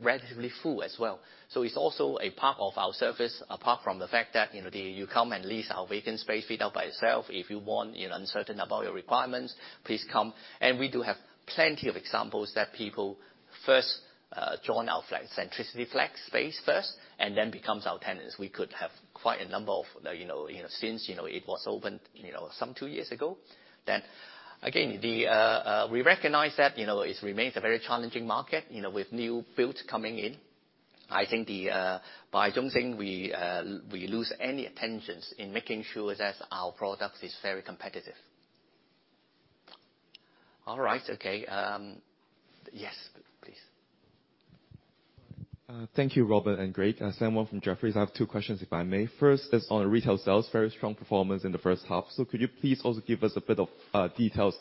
relatively full as well. It's also a part of our service, apart from the fact that you come and lease our vacant space, feed up by itself. If you want uncertain about your requirements, please come. We do have plenty of examples that people first join our Centricity Flex space first and then become our tenants. We could have quite a number of Since it was opened some two years ago. Again, we recognize that it remains a very challenging market, with new builds coming in. I don't think we lose any attention in making sure that our product is very competitive. All right. Okay. Yes, please. Thank you, Robert, and Craig. Sam Wong from Jefferies. I have two questions, if I may. First is on retail sales. Very strong performance in the first half. Could you please also give us a bit of details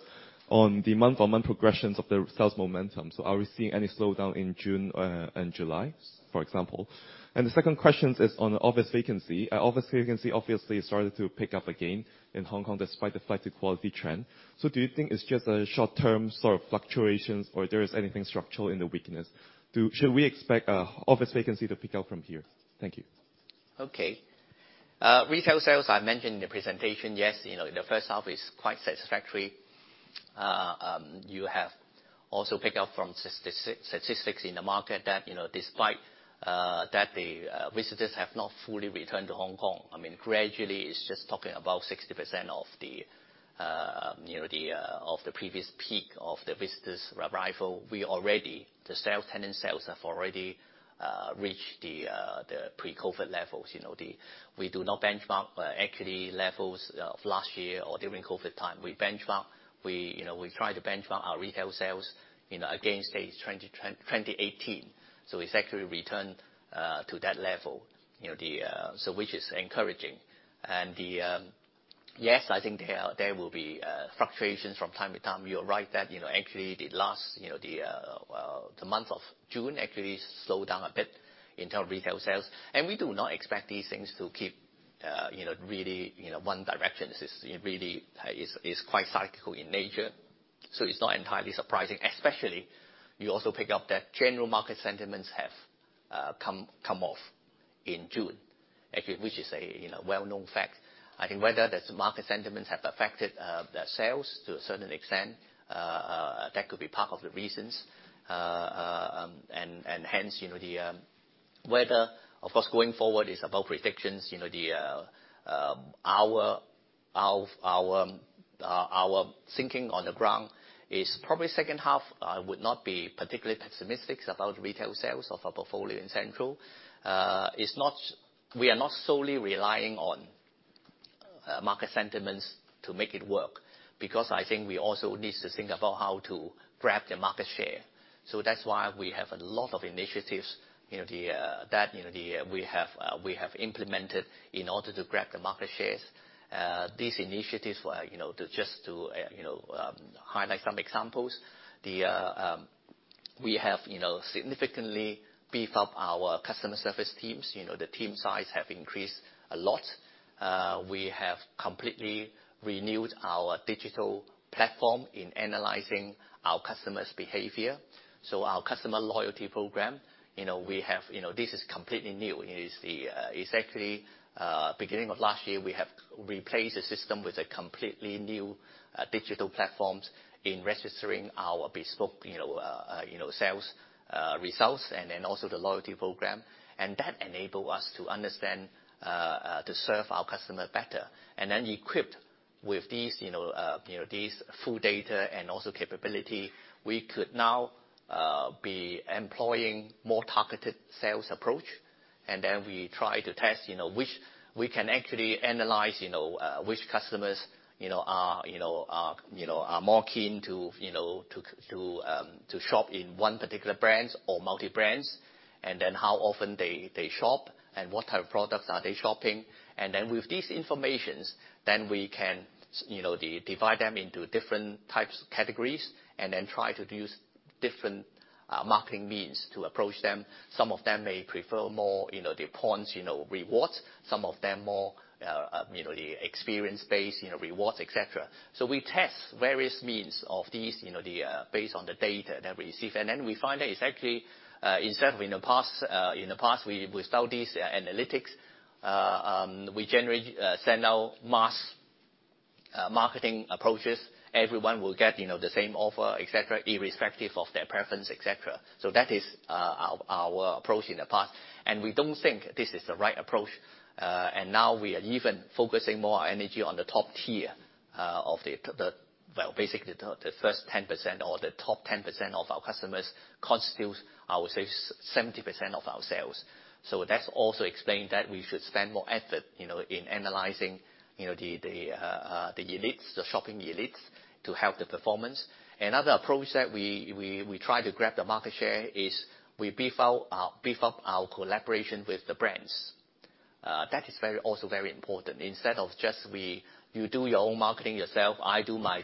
on the month-on-month progressions of the sales momentum? Are we seeing any slowdown in June and July, for example? The second question is on office vacancy. Office vacancy obviously started to pick up again in Hong Kong despite the flight to quality trend. Do you think it's just a short-term sort of fluctuations, or there is anything structural in the weakness? Should we expect office vacancy to pick up from here? Thank you. Okay. Retail sales, I mentioned in the presentation, yes. The first half is quite satisfactory. You have also picked up from statistics in the market that despite that the visitors have not fully returned to Hong Kong, I mean, gradually, it's just talking about 60% of the previous peak of the visitors' arrival. The tenant sales have already reached the pre-COVID levels. We do not benchmark actually levels of last year or during COVID time. We try to benchmark our retail sales against 2018. It's actually returned to that level, which is encouraging. Yes, I think there will be fluctuations from time to time. You are right that actually the month of June actually slowed down a bit in terms of retail sales. We do not expect these things to keep really one direction. This really is quite cyclical in nature. It's not entirely surprising, especially you also pick up that general market sentiments have come off in June, which is a well-known fact. Whether that market sentiments have affected the sales to a certain extent, that could be part of the reasons. Hence, whether, of course, going forward, it's about predictions. Our thinking on the ground is probably second half would not be particularly pessimistic about retail sales of our portfolio in Central. We are not solely relying on market sentiments to make it work, because we also need to think about how to grab the market share. That's why we have a lot of initiatives that we have implemented in order to grab the market shares. These initiatives, just to highlight some examples We have significantly beefed up our customer service teams. The team size have increased a lot. We have completely renewed our digital platform in analyzing our customer's behavior. Our customer loyalty program this is completely new. It is exactly beginning of last year, we have replaced a system with a completely new, digital platforms in registering our bespoke sales results and then also the loyalty program. That enable us to understand to serve our customer better. Then equipped with these full data and also capability, we could now be employing more targeted sales approach. Then we try to test which we can actually analyze which customers are more keen to shop in one particular brands or multi-brands, and then how often they shop, and what type of products are they shopping. Then with these informations, then we can divide them into different types of categories and then try to use different marketing means to approach them. Some of them may prefer more the points rewards. Some of them more the experience-based rewards, et cetera. We test various means of these, based on the data that we receive. Then we find that it's actually, instead of in the past, we built these analytics, we generally send out mass marketing approaches. Everyone will get the same offer, et cetera, irrespective of their preference, et cetera. That is our approach in the past, and we don't think this is the right approach. Now we are even focusing more energy on the top tier of the Well, basically, the first 10% or the top 10% of our customers constitutes, I would say, 70% of our sales. That's also explained that we should spend more effort in analyzing the elites, the shopping elites, to help the performance. Another approach that we try to grab the market share is we beef up our collaboration with the brands. That is also very important. Instead of just you do your own marketing yourself, I do my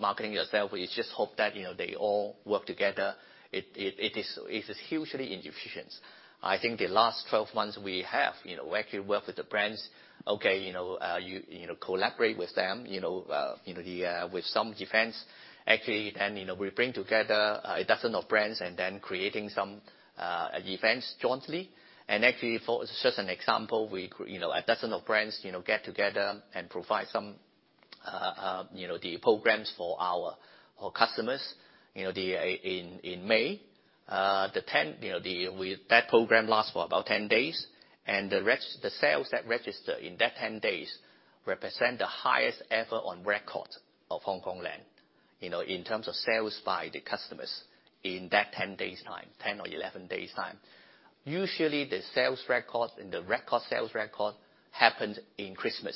marketing yourself, we just hope that they all work together. It is hugely inefficient. The last 12 months we have, working well with the brands, collaborate with them with some events. Actually, we bring together a dozen of brands and then creating some events jointly. Actually, for just an example, a dozen of brands get together and provide some programs for our customers in May. That program lasts for about 10 days. The sales that register in that 10 days represent the highest ever on record of Hongkong Land. In terms of sales by the customers in that 10 days time, 10 or 11 days time. Usually, the sales records and the record sales record happened in Christmas.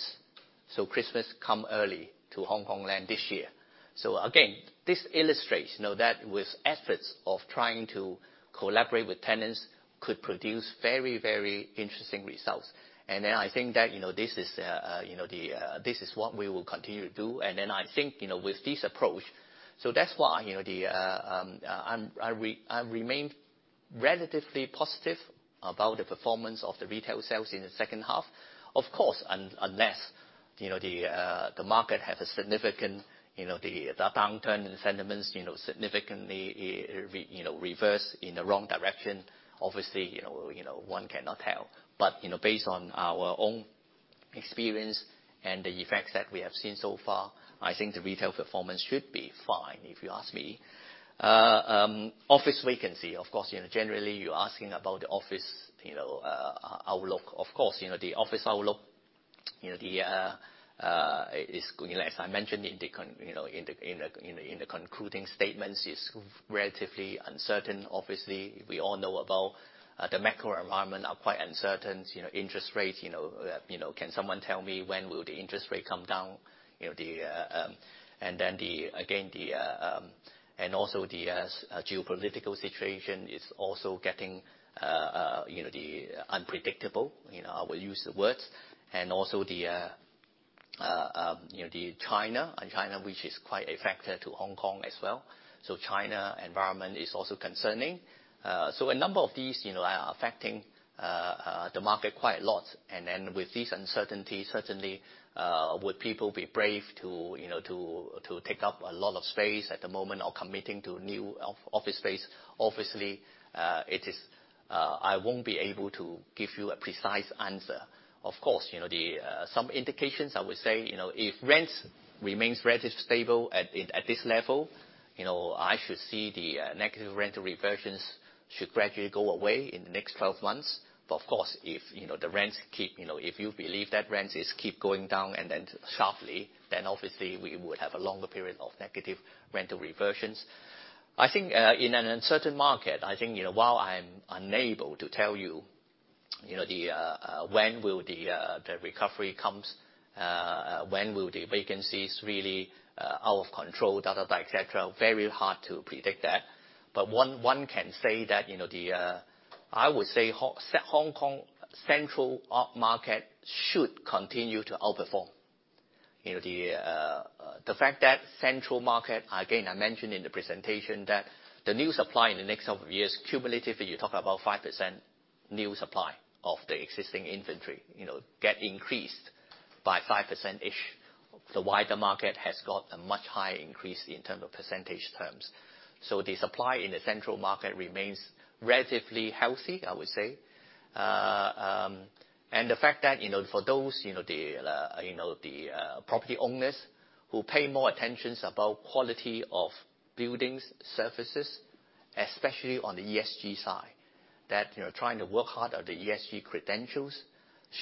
Christmas come early to Hongkong Land this year. Again, this illustrates that with efforts of trying to collaborate with tenants could produce very, very interesting results. I think that this is what we will continue to do. I think with this approach, that's why I remained relatively positive about the performance of the retail sales in the second half. Of course, unless the market have a significant downturn in sentiments, significantly reverse in the wrong direction. Obviously, one cannot tell. Based on our own experience and the effects that we have seen so far, I think the retail performance should be fine, if you ask me. Office vacancy, of course, generally you're asking about the office outlook. Of course, the office outlook as I mentioned in the concluding statements, is relatively uncertain. Obviously, we all know about the macro environment are quite uncertain. Interest rate, can someone tell me when will the interest rate come down? The geopolitical situation is also getting unpredictable. I will use the words. The China, which is quite a factor to Hong Kong as well. China environment is also concerning. A number of these are affecting the market quite a lot. With these uncertainties, certainly would people be brave to take up a lot of space at the moment or committing to new office space? Obviously, I won't be able to give you a precise answer. Of course, some indications, I would say if rents remains relative stable at this level, I should see the negative rental reversions should gradually go away in the next 12 months. Of course, if you believe that rents is keep going down and sharply, obviously we would have a longer period of negative rental reversions. I think in an uncertain market, I think while I'm unable to tell you when will the recovery comes, when will the vacancies really out of control, et cetera, very hard to predict that. One can say that, I would say Hong Kong Central market should continue to outperform The fact that Central market, again, I mentioned in the presentation that the new supply in the next couple of years, cumulatively, you talk about 5% new supply of the existing inventory, get increased by 5%-ish. The wider market has got a much higher increase in terms of percentage terms. The supply in the Central market remains relatively healthy, I would say. The fact that for those, the property owners who pay more attentions about quality of buildings, services, especially on the ESG side, that trying to work hard on the ESG credentials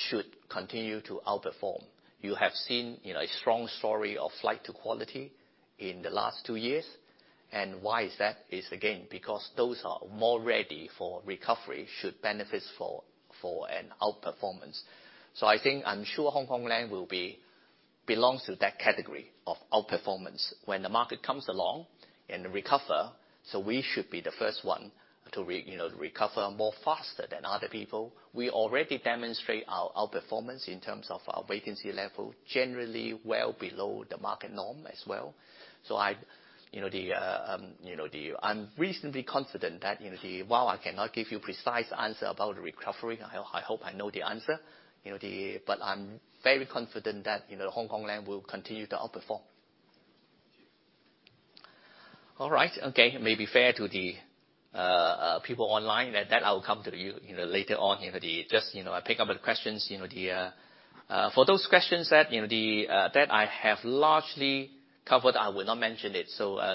should continue to outperform. You have seen a strong story of flight to quality in the last two years. Why is that? It's again, because those are more ready for recovery, should benefit for an outperformance. I think, I'm sure Hongkong Land belongs to that category of outperformance when the market comes along and recover. We should be the first one to recover more faster than other people. We already demonstrate our outperformance in terms of our vacancy level, generally well below the market norm as well. I am reasonably confident that while I cannot give you precise answer about recovery, I hope I know the answer. But I am very confident that Hongkong Land will continue to outperform. All right. Okay. Maybe fair to the people online that I will come to you later on. Just I pick up the questions. For those questions that I have largely covered, I will not mention it.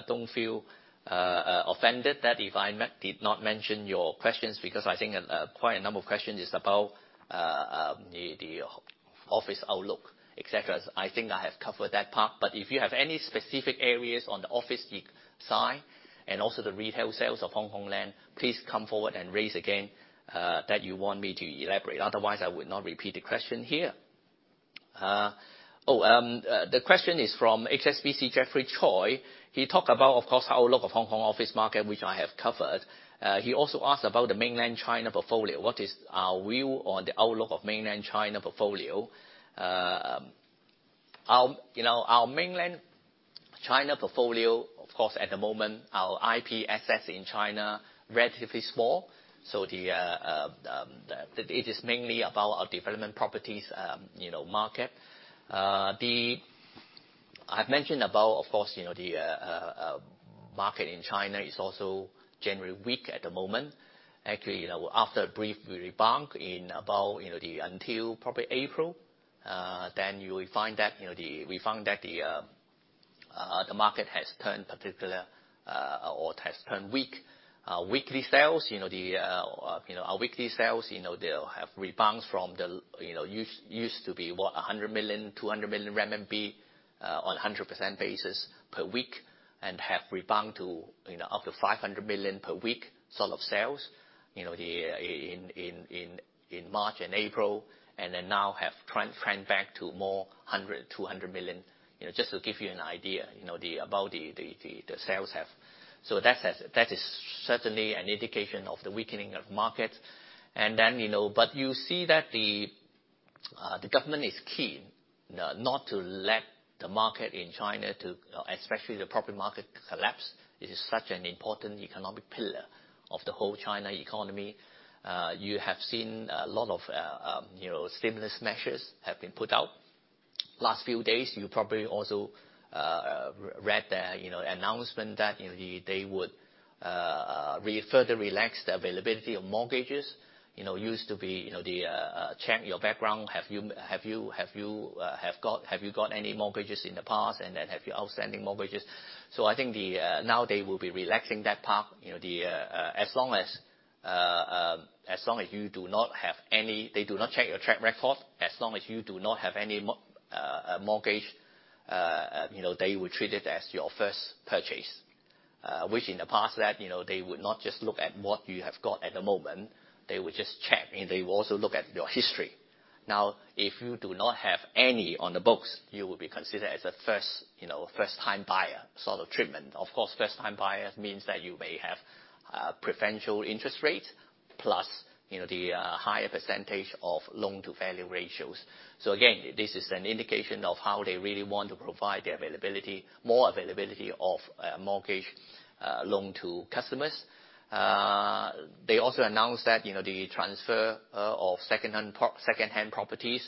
Don't feel offended that if I did not mention your questions, because I think quite a number of questions is about the office outlook, et cetera. I think I have covered that part. But if you have any specific areas on the office side and also the retail sales of Hongkong Land, please come forward and raise again, that you want me to elaborate. Otherwise, I would not repeat the question here. The question is from HSBC, Geoffrey Choi. He talk about, of course, outlook of Hongkong office market, which I have covered. He also asked about the Mainland China portfolio. What is our view on the outlook of Mainland China portfolio? Our Mainland China portfolio, of course, at the moment, our IP assets in China relatively small. It is mainly about our development properties market. I have mentioned about, of course, the market in China is also generally weak at the moment. Actually, after a brief rebound until probably April, we found that the market has turned particular or has turned weak. Our weekly sales, they have rebounded from the used to be, what, 100 million, 200 million RMB on 100% basis per week and have rebounded to up to 500 million per week sort of sales in March and April, and now have trend back to more 100 million, 200 million. Just to give you an idea about the sales have. That is certainly an indication of the weakening of market. But you see that the government is keen not to let the market in China, especially the property market, collapse. It is such an important economic pillar of the whole China economy. You have seen a lot of stimulus measures have been put out. Last few days, you probably also read the announcement that they would further relax the availability of mortgages. Used to be, check your background, have you got any mortgages in the past, and have you outstanding mortgages. I think now they will be relaxing that part. They do not check your track record, as long as you do not have any mortgage, they will treat it as your first purchase, which in the past that they would not just look at what you have got at the moment. They would just check, they will also look at your history. If you do not have any on the books, you will be considered as a first-time buyer sort of treatment. Of course, first-time buyer means that you may have preferential interest rate plus the higher percentage of loan-to-value ratios. Again, this is an indication of how they really want to provide more availability of mortgage loan to customers. They also announced that the transfer of secondhand properties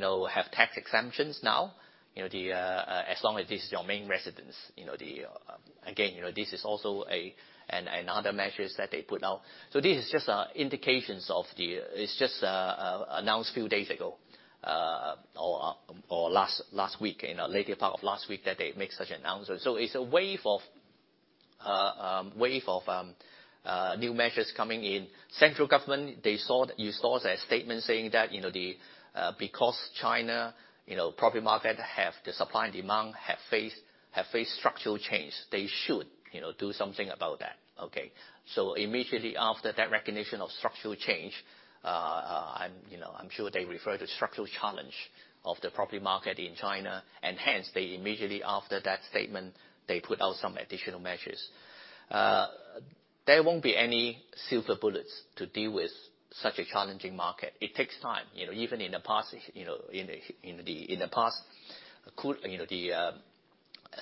have tax exemptions now, as long as this is your main residence. Again, this is also another measures that they put out. This is just indications of the It's just announced a few days ago or last week, in a later part of last week that they make such an announcement. It's a wave of new measures coming in. Central Government, you saw their statement saying that because China property market, the supply and demand have faced structural change, they should do something about that. Okay. Immediately after that recognition of structural change, I'm sure they refer to structural challenge of the property market in China, and hence they immediately after that statement, they put out some additional measures. There won't be any silver bullets to deal with such a challenging market. It takes time. Even in the past, the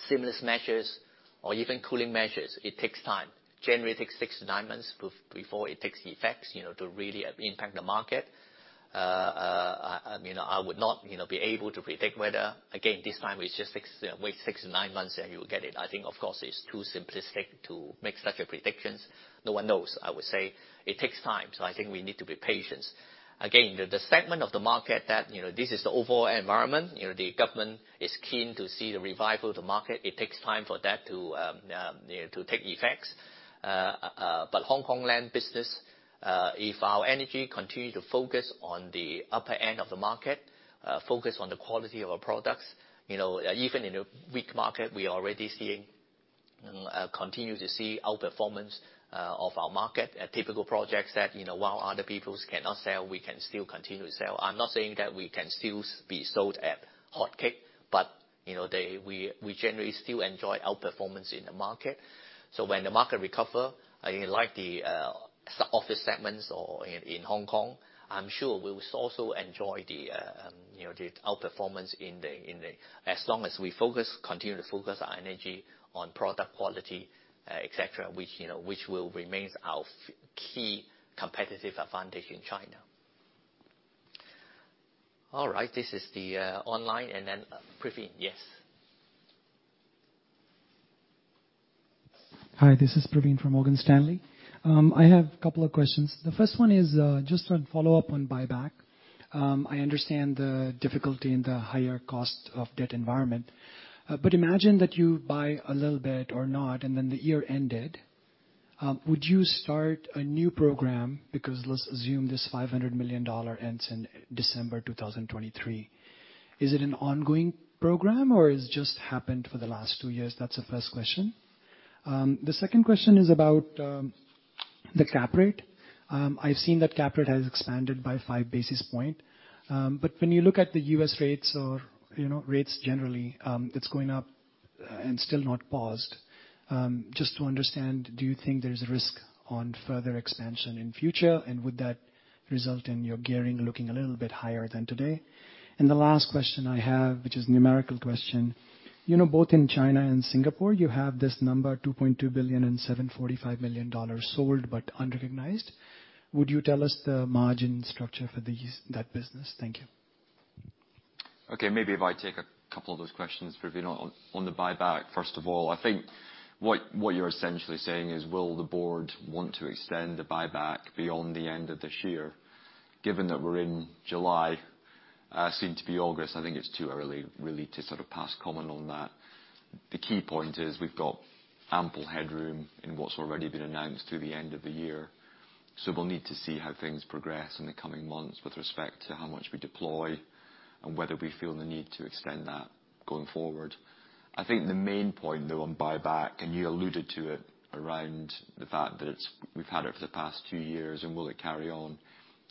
stimulus measures or even cooling measures, it takes time. Generally, it takes six to nine months before it takes effect to really impact the market. I would not be able to predict whether, again, this time it's just wait six to nine months and you will get it. I think of course it's too simplistic to make such a predictions. No one knows. I would say it takes time, so I think we need to be patient. Again, the segment of the market that this is the overall environment. The government is keen to see the revival of the market. It takes time for that to take effects. Hongkong Land business, if our energy continue to focus on the upper end of the market, focus on the quality of our products, even in a weak market, we are already continue to see outperformance of our market. Typical projects that, while other peoples cannot sell, we can still continue to sell. I'm not saying that we can still be sold at hotcake, but we generally still enjoy outperformance in the market. When the market recover, like the office segments in Hong Kong, I'm sure we will also enjoy the outperformance in as long as we continue to focus our energy on product quality, et cetera, which will remains our key competitive advantage in China. All right. This is the online, and then Praveen. Yes. Hi, this is Praveen from Morgan Stanley. I have a couple of questions. The first one is just a follow-up on buyback. I understand the difficulty in the higher cost of debt environment. Imagine that you buy a little bit or not, and then the year ended, would you start a new program? Because let's assume this $500 million ends in December 2023. Is it an ongoing program, or it's just happened for the last two years? That's the first question. The second question is about the cap rate. I've seen that cap rate has expanded by five basis point. When you look at the U.S. rates or rates generally, it's going up and still not paused. Just to understand, do you think there's a risk on further expansion in future, and would that result in your gearing looking a little bit higher than today? The last question I have, which is numerical question. Both in China and Singapore, you have this number, $2.2 billion and $745 million sold, but unrecognized. Would you tell us the margin structure for that business? Thank you. Okay, maybe if I take a couple of those questions, Praveen. On the buyback, first of all, I think what you're essentially saying is, will the board want to extend the buyback beyond the end of this year? Given that we're in July, soon to be August, I think it's too early, really, to pass comment on that. The key point is we've got ample headroom in what's already been announced through the end of the year. We'll need to see how things progress in the coming months with respect to how much we deploy and whether we feel the need to extend that going forward. I think the main point, though, on buyback, you alluded to it around the fact that we've had it for the past two years, and will it carry on?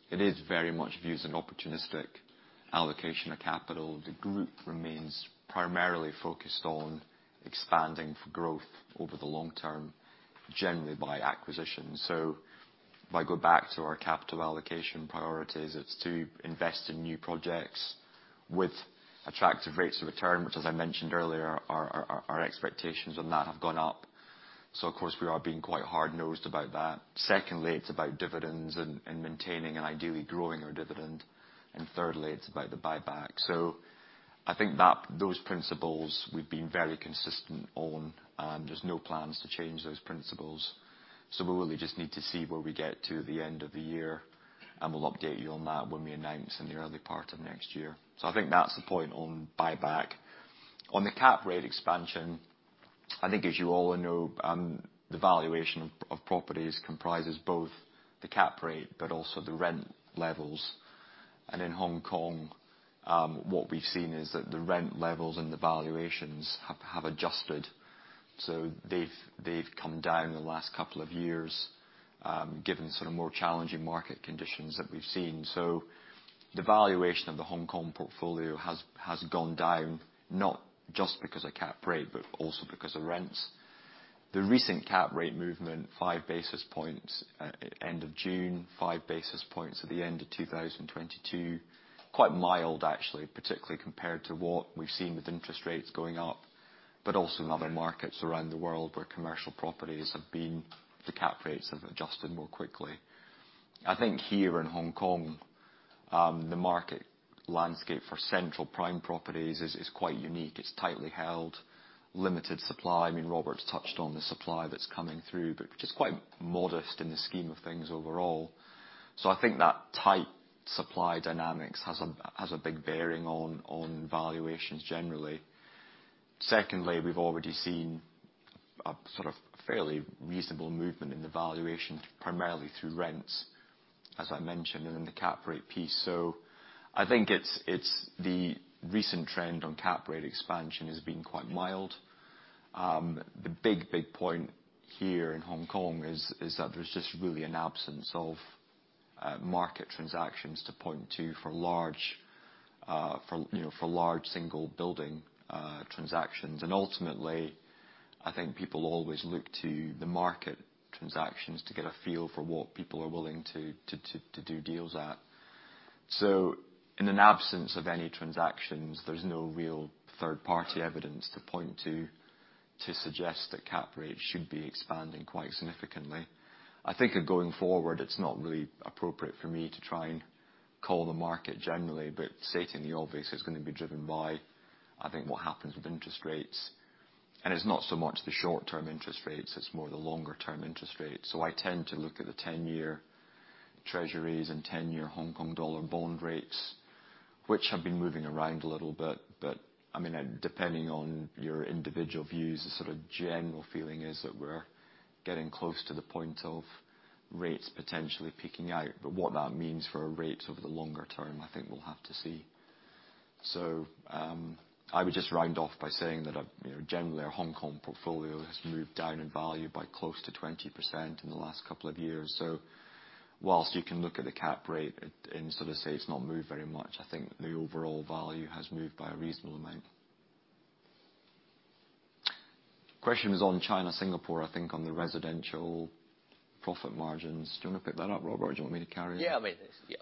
It is very much viewed as an opportunistic allocation of capital. The group remains primarily focused on expanding for growth over the long term, generally by acquisition. If I go back to our capital allocation priorities, it's to invest in new projects with attractive rates of return, which as I mentioned earlier, our expectations on that have gone up. Of course, we are being quite hard-nosed about that. Secondly, it's about dividends and maintaining and ideally growing our dividend. Thirdly, it's about the buyback. I think those principles we've been very consistent on, there's no plans to change those principles. We really just need to see where we get to the end of the year, we'll update you on that when we announce in the early part of next year. I think that's the point on buyback. On the cap rate expansion, I think as you all know, the valuation of properties comprises both the cap rate but also the rent levels. In Hong Kong, what we've seen is that the rent levels and the valuations have adjusted. They've come down in the last couple of years, given more challenging market conditions that we've seen. The valuation of the Hong Kong portfolio has gone down, not just because of cap rate, but also because of rents. The recent cap rate movement, five basis points at end of June, five basis points at the end of 2022. Quite mild, actually, particularly compared to what we've seen with interest rates going up, but also in other markets around the world where commercial properties the cap rates have adjusted more quickly. I think here in Hong Kong, the market landscape for central prime properties is quite unique. It's tightly held, limited supply. Robert's touched on the supply that's coming through, but just quite modest in the scheme of things overall. I think that tight supply dynamics has a big bearing on valuations generally. Secondly, we've already seen a fairly reasonable movement in the valuation, primarily through rents, as I mentioned, and in the cap rate piece. I think the recent trend on cap rate expansion has been quite mild. The big, big point here in Hong Kong is that there's just really an absence of market transactions to point to for large single building transactions. Ultimately, I think people always look to the market transactions to get a feel for what people are willing to do deals at. In an absence of any transactions, there's no real third-party evidence to point to suggest that cap rates should be expanding quite significantly. I think going forward, it's not really appropriate for me to try and call the market generally, but stating the obvious, it's going to be driven by, I think, what happens with interest rates. It's not so much the short-term interest rates, it's more the longer-term interest rates. I tend to look at the 10-year Treasuries and 10-year Hong Kong dollar bond rates, which have been moving around a little bit. Depending on your individual views, the general feeling is that we're getting close to the point of rates potentially peaking out. What that means for our rates over the longer term, I think we'll have to see. I would just round off by saying that, generally, our Hong Kong portfolio has moved down in value by close to 20% in the last couple of years. Whilst you can look at the cap rate and sort of say it's not moved very much, I think the overall value has moved by a reasonable amount. Question was on China, Singapore, I think, on the residential profit margins. Do you want me to pick that up, Robert? Or do you want me to carry on? Yeah, I mean. Yeah.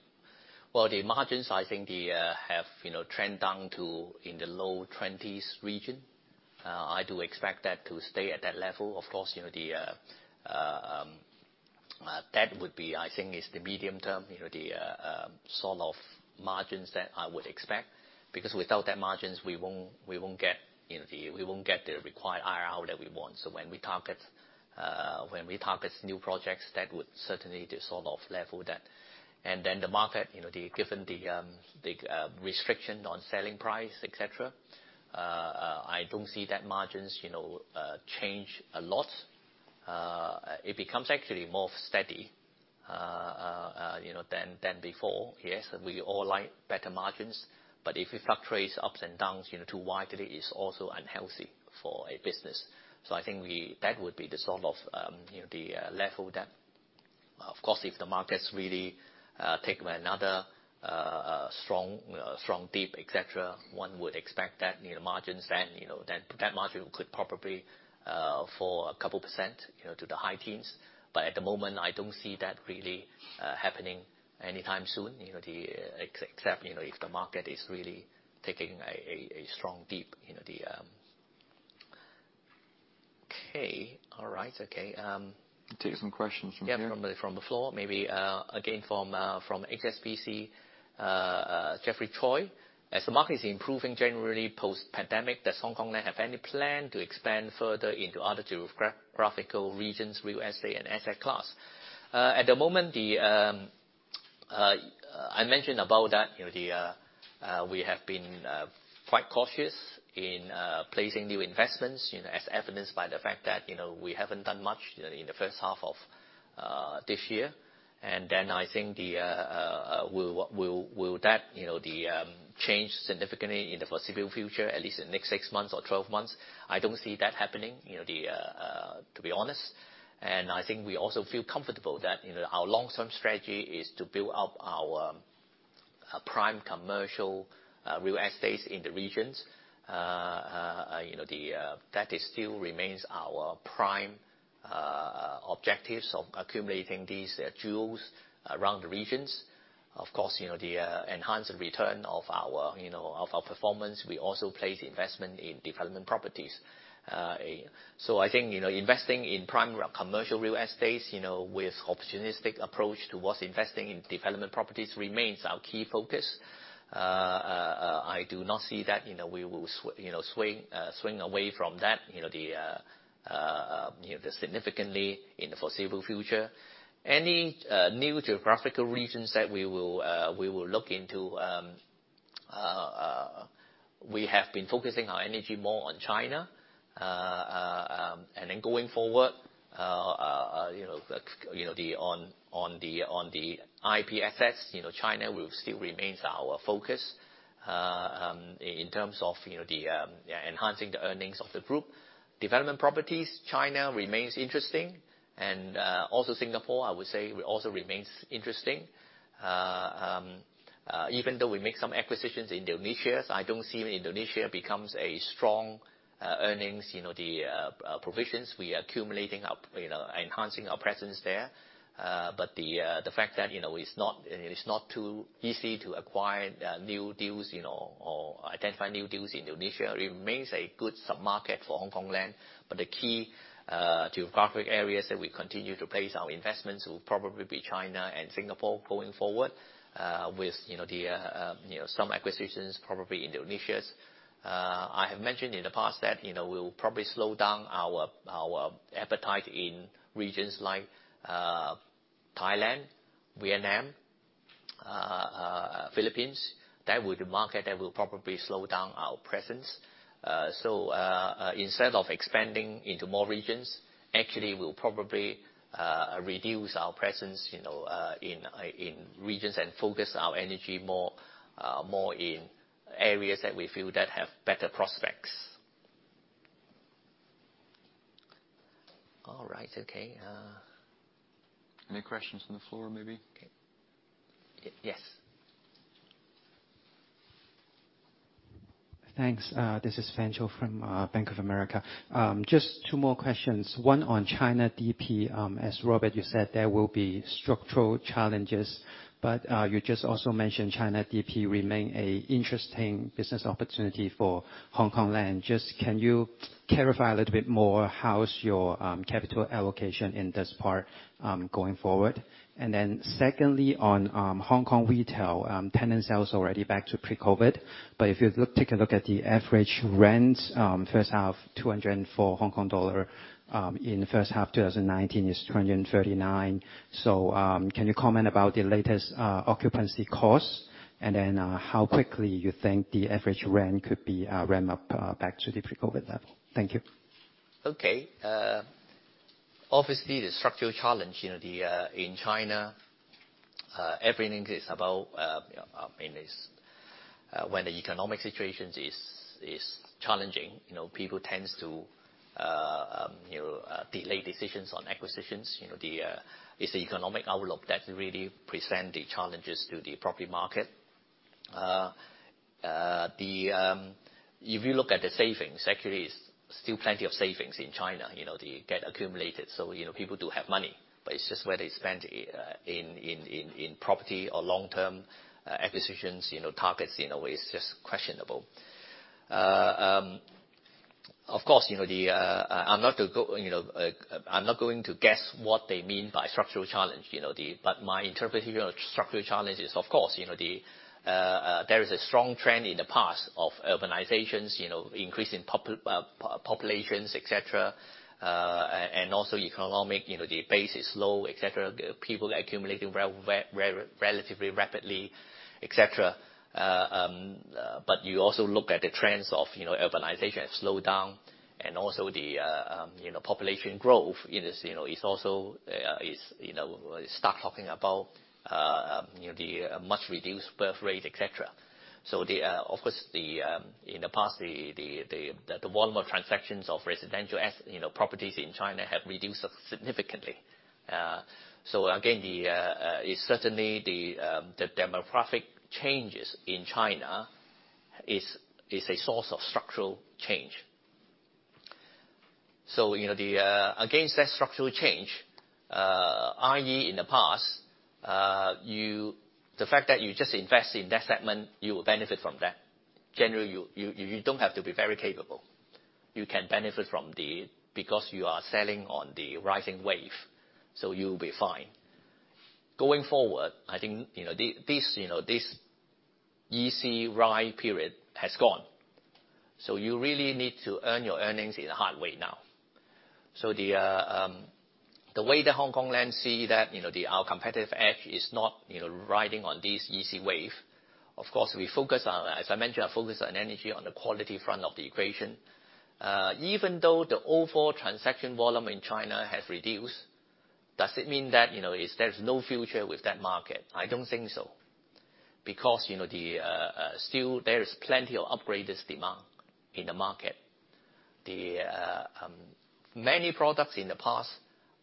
Well, the margins, I think they have trend down to in the low 20s region. I do expect that to stay at that level. Of course, that would be, I think, is the medium term, the sort of margins that I would expect. Without that margins, we won't get the required IRR that we want. When we target new projects, that would certainly the sort of level that. Then the market, given the restriction on selling price, et cetera, I don't see that margins change a lot. It becomes actually more steady than before. Yes, we all like better margins, but if it fluctuates up and downs too widely, it's also unhealthy for a business. I think that would be the sort of the level that. Of course, if the markets really take another strong dip, et cetera, one would expect that margins then, that margin could probably fall a couple % to the high teens. At the moment, I don't see that really happening anytime soon, except if the market is really taking a strong dip. Okay. All right. Okay. Take some questions from here. Yeah. Probably from the floor. Maybe, again, from HSBC, Geoffrey Choi. As the market is improving generally post-pandemic, does Hongkong Land have any plan to expand further into other geographical regions, real estate and asset class? At the moment, I mentioned about that. We have been quite cautious in placing new investments, as evidenced by the fact that we haven't done much in the first half of this year. I think will that change significantly in the foreseeable future, at least in the next 6 months or 12 months? I don't see that happening, to be honest. I think we also feel comfortable that our long-term strategy is to build up our prime commercial real estates in the regions. That still remains our prime objectives of accumulating these jewels around the regions. Of course, the enhanced return of our performance, we also place investment in development properties. I think, investing in prime commercial real estates with opportunistic approach towards investing in development properties remains our key focus. I do not see that we will swing away from that significantly in the foreseeable future. Any new geographical regions that we will look into, we have been focusing our energy more on China. Going forward, on the IP, China will still remains our focus in terms of enhancing the earnings of the group. Development properties, China remains interesting. Also Singapore, I would say, also remains interesting. Even though we make some acquisitions in Indonesia, I don't see Indonesia becomes a strong earnings. The provisions we are accumulating up, enhancing our presence there. The fact that it's not too easy to acquire new deals or identify new deals in Indonesia remains a good sub-market for Hongkong Land. The key geographic areas that we continue to place our investments will probably be China and Singapore going forward with some acquisitions probably Indonesia. I have mentioned in the past that we'll probably slow down our appetite in regions like Thailand, Vietnam, Philippines. That market will probably slow down our presence. Instead of expanding into more regions, actually we'll probably reduce our presence in regions and focus our energy more in areas that we feel that have better prospects. All right. Okay. Any questions from the floor, maybe? Okay. Yes. Thanks. This is Qianlei Fan from Bank of America. Just two more questions, one on China DP. As Robert, you said, there will be structural challenges, you just also mentioned China DP remain an interesting business opportunity for Hongkong Land. Can you clarify a little bit more how is your capital allocation in this part going forward? Secondly, on Hong Kong retail, tenant sales already back to pre-COVID. If you take a look at the average rents, first half, 204 Hong Kong dollar, in the first half 2019, it's 239. Can you comment about the latest occupancy costs, and how quickly you think the average rent could be ramped up back to the pre-COVID level? Thank you. Obviously, the structural challenge in China, everything is about When the economic situation is challenging, people tends to delay decisions on acquisitions. It's the economic outlook that really present the challenges to the property market. If you look at the savings, actually, it's still plenty of savings in China, they get accumulated. People do have money, but it's just where they spend in property or long-term acquisitions, targets, in a way, it's just questionable. Of course, I'm not going to guess what they mean by structural challenge. My interpretation of structural challenge is, of course, there is a strong trend in the past of urbanizations, increase in populations, et cetera, and also economic, the pace is slow, et cetera. People are accumulating relatively rapidly, et cetera. You also look at the trends of urbanization has slowed down and also the population growth is also. Start talking about the much-reduced birth rate, et cetera. The, of course, in the past, the volume of transactions of residential properties in China have reduced significantly. Again, certainly the demographic changes in China is a source of structural change. Against that structural change, i.e., in the past, the fact that you just invest in that segment, you will benefit from that. Generally, you don't have to be very capable. You can benefit from the. Because you are sailing on the rising wave, so you'll be fine. Going forward, I think, this easy ride period has gone. You really need to earn your earnings in a hard way now. The way that Hongkong Land see that our competitive edge is not riding on this easy wave. As I mentioned, our focus and energy on the quality front of the equation. Even though the overall transaction volume in China has reduced, does it mean that there's no future with that market? I don't think so. Still there is plenty of upgraded demand in the market. The many products in the past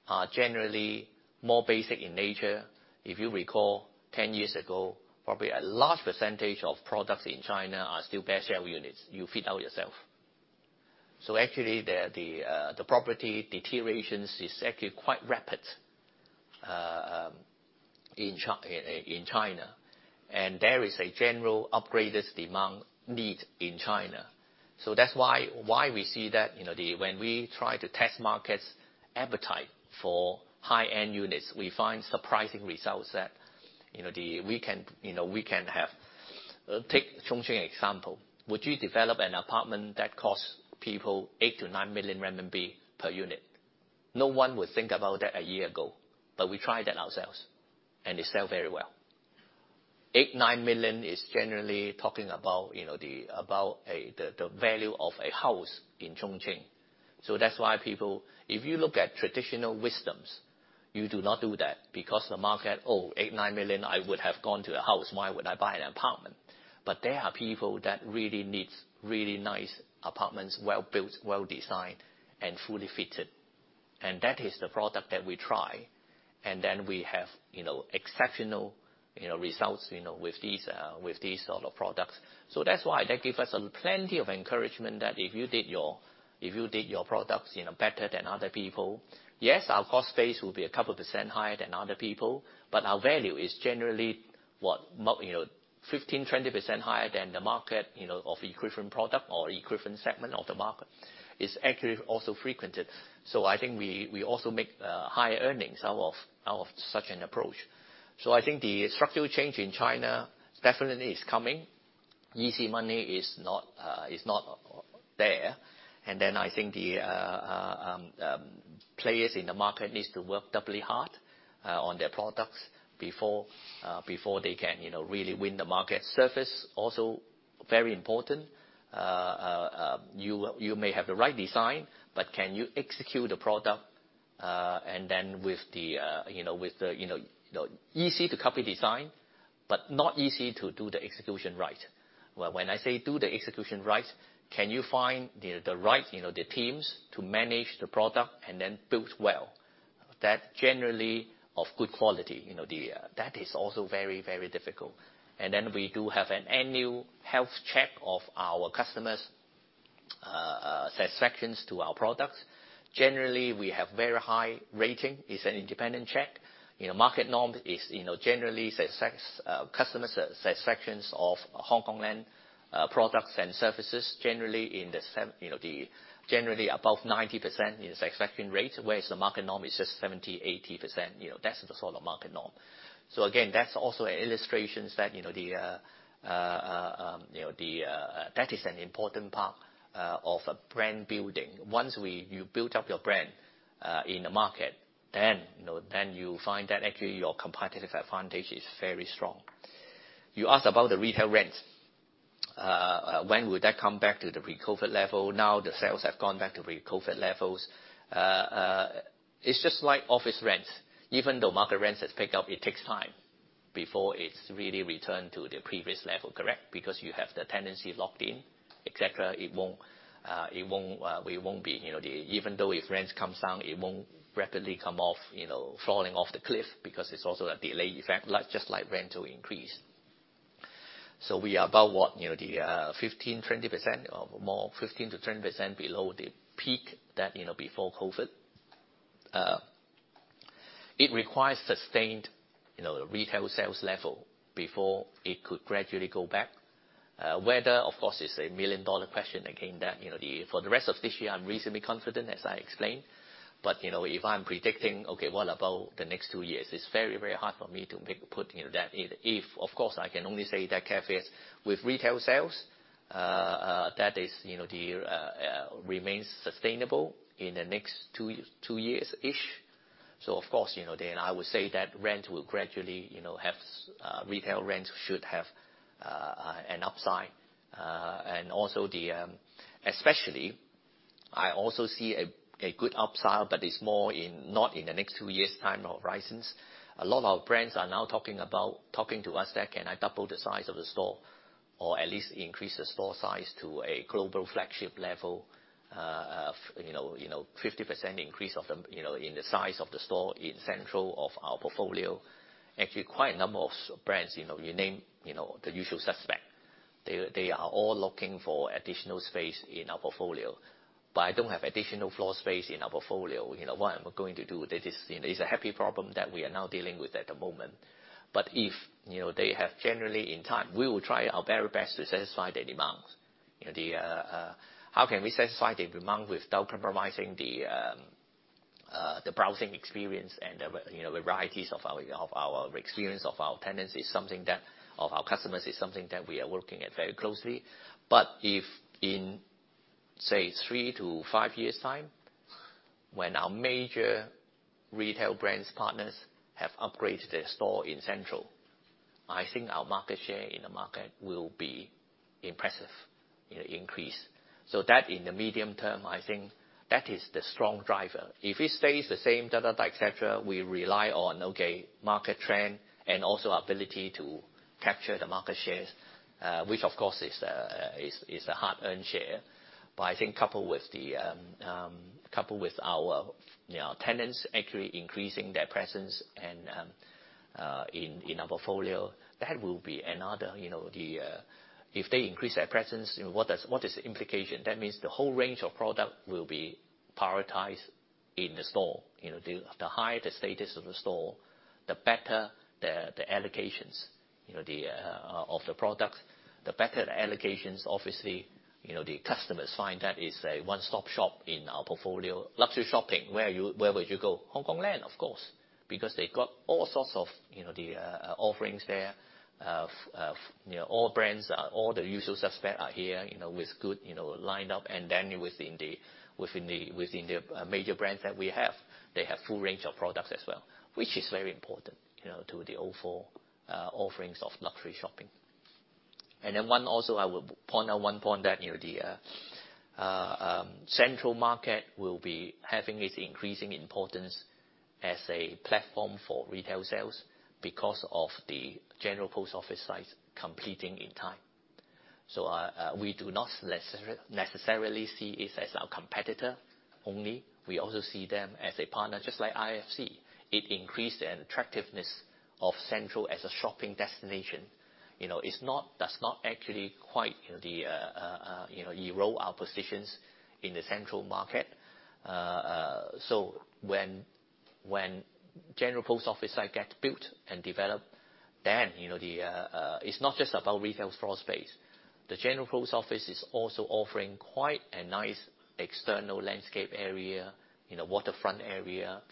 are generally more basic in nature. If you recall, 10 years ago, probably a large percentage of products in China are still bare shell units, you fit out yourself. Actually, the property deterioration is actually quite rapid in China, and there is a general upgraded demand need in China. That's why we see that when we try to test markets' appetite for high-end units, we find surprising results that we can have. Take Chongqing example. Would you develop an apartment that costs people 8 million-9 million RMB per unit? No one would think about that a year ago, we tried that ourselves, it sell very well. 8 million-9 million is generally talking about the value of a house in Chongqing. That's why people If you look at traditional wisdoms, you do not do that because the market, "Oh, 8 million-9 million, I would have gone to a house. Why would I buy an apartment?" There are people that really needs really nice apartments, well-built, well-designed, and fully fitted. That is the product that we try, then we have exceptional results with these sort of products. That's why that give us plenty of encouragement that if you did your products better than other people, yes, our cost base will be a couple % higher than other people, but our value is generally, what? 15%-20% higher than the market of equivalent product or equivalent segment of the market. It is actually also frequented. I think we also make higher earnings out of such an approach. I think the structural change in China definitely is coming. Easy money is not there. I think the players in the market needs to work doubly hard on their products before they can really win the market. Service, also very important. You may have the right design, but can you execute the product? Not easy to do the execution right. When I say do the execution right, can you find the teams to manage the product and then build well? That generally of good quality. That is also very difficult. We do have an annual health check of our customers' satisfaction to our products. Generally, we have very high rating. It is an independent check. Market norm is, generally customer satisfaction of Hongkong Land products and services, generally above 90% is satisfaction rate, whereas the market norm is just 70%-80%. That is the sort of market norm. Again, that is also an illustration that is an important part of brand building. Once you build up your brand in the market, then you find that actually your competitive advantage is very strong. You asked about the retail rents. When would that come back to the pre-COVID level? Now the sales have gone back to pre-COVID levels. It is just like office rents. Even though market rents has picked up, it takes time before it is really returned to the previous level, correct? Because you have the tenancy locked in, et cetera. Even though if rents come down, it won't rapidly come off, falling off the cliff because it is also a delay effect, just like rental increase. We are about what? More 15%-20% below the peak before pre-COVID. It requires sustained retail sales level before it could gradually go back. Whether, of course, it is a million-dollar question again. For the rest of this year, I am reasonably confident, as I explained. If I am predicting, okay, what about the next two years? It is very hard for me to put that if. Of course, I can only say that caveat with retail sales. That remains sustainable in the next two years-ish. Of course, then I would say that retail rents should have an upside. Especially, I also see a good upside, but it is not in the next two years' time horizons. A lot of our brands are now talking to us that, "Can I double the size of the store? Or at least increase the store size to a global flagship level, 50% increase in the size of the store in Central of our portfolio." Actually, quite a number of brands, you name the usual suspect. They are all looking for additional space in our portfolio. I don't have additional floor space in our portfolio. What am I going to do? That is a happy problem that we are now dealing with at the moment. If they have generally in time, we will try our very best to satisfy their demands. How can we satisfy the demand without compromising the browsing experience and the varieties of our experience of our customers is something that we are working at very closely. If in, say, three to five years' time, when our major retail brands partners have upgraded their store in Central, I think our market share in the market will be impressive increase. That in the medium term, I think that is the strong driver. If it stays the same, et cetera, we rely on, okay, market trend and also our ability to capture the market shares, which of course is a hard-earned share. I think coupled with our tenants actually increasing their presence in our portfolio, that will be another. If they increase their presence, what is the implication? That means the whole range of product will be prioritized in the store. The higher the status of the store, the better the allocations of the product. The better the allocations, obviously, the customers find that it's a one-stop shop in our portfolio. Luxury shopping, where would you go? Hongkong Land, of course. They got all sorts of offerings there. All brands, all the usual suspect are here with good lineup and then within the major brands that we have, they have full range of products as well, which is very important to the overall offerings of luxury shopping. Then one also I would point out one point that the Central Market will be having its increasing importance as a platform for retail sales because of the General Post Office site completing in time. We do not necessarily see it as our competitor only. We also see them as a partner, just like IFC. It increased the attractiveness of Central as a shopping destination. That's not actually quite [unsure] our positions in the Central Market. When General Post Office site gets built and developed, it's not just about retail floor space. The General Post Office is also offering quite a nice external landscape area, waterfront area.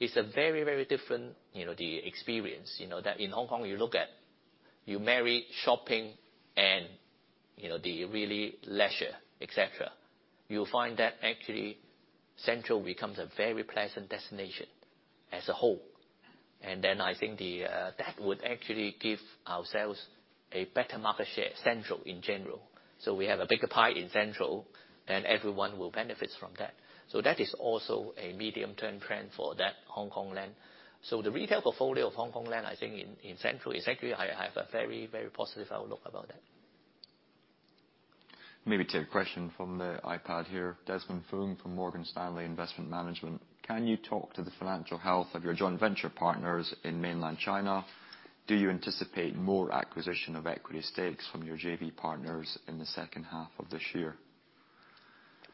It's a very different experience that in Hong Kong you marry shopping and the really leisure, et cetera. You'll find that actually Central becomes a very pleasant destination as a whole. Then I think that would actually give ourselves a better market share, Central in general. We have a bigger pie in Central, everyone will benefit from that. That is also a medium-term trend for that Hongkong Land. The retail portfolio of Hongkong Land, I think in Central, exactly I have a very positive outlook about that. Maybe take a question from the iPad here. Desmond Foong from Morgan Stanley Investment Management. "Can you talk to the financial health of your joint venture partners in mainland China? Do you anticipate more acquisition of equity stakes from your JV partners in the second half of this year?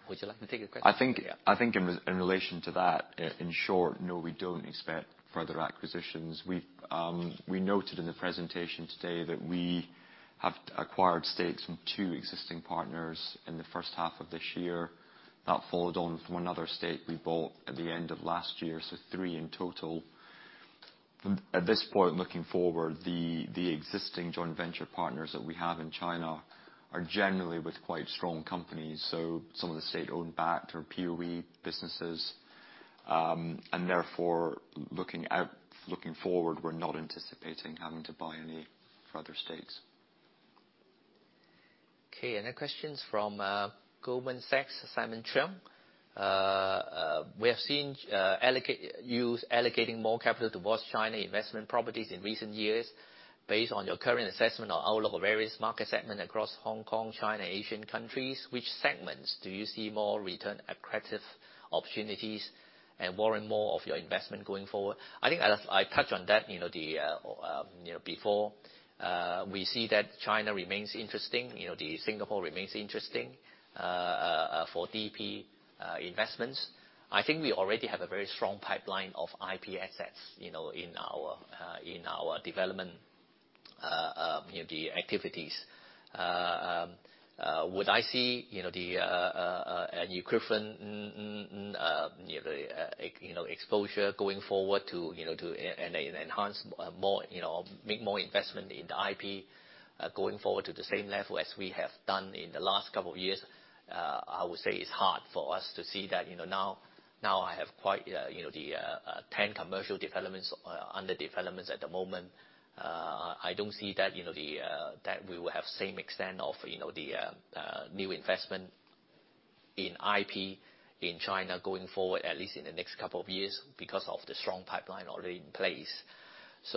Would you like to take the question? I think in relation to that, in short, no, we don't expect further acquisitions. We noted in the presentation today that we have acquired stakes from two existing partners in the first half of this year. That followed on from another stake we bought at the end of last year, so three in total. At this point, looking forward, the existing joint venture partners that we have in China are generally with quite strong companies, so some of the state-owned backed or SOE businesses. Therefore, looking forward, we're not anticipating having to buy any further stakes. Okay. Any questions from Goldman Sachs, Simon Cheung? "We have seen you allocating more capital towards China investment properties in recent years. Based on your current assessment or outlook of various market segment across Hong Kong, China, Asian countries, which segments do you see more return attractive opportunities and warrant more of your investment going forward?" I think I touched on that before. We see that China remains interesting, Singapore remains interesting, for DP investments. I think we already have a very strong pipeline of IP assets in our development activities. Would I see an equivalent exposure going forward to make more investment in the IP going forward to the same level as we have done in the last couple of years? I would say it's hard for us to see that. Now I have 10 commercial developments under developments at the moment. I don't see that we will have same extent of the new investment in IP in China going forward, at least in the next couple of years, because of the strong pipeline already in place.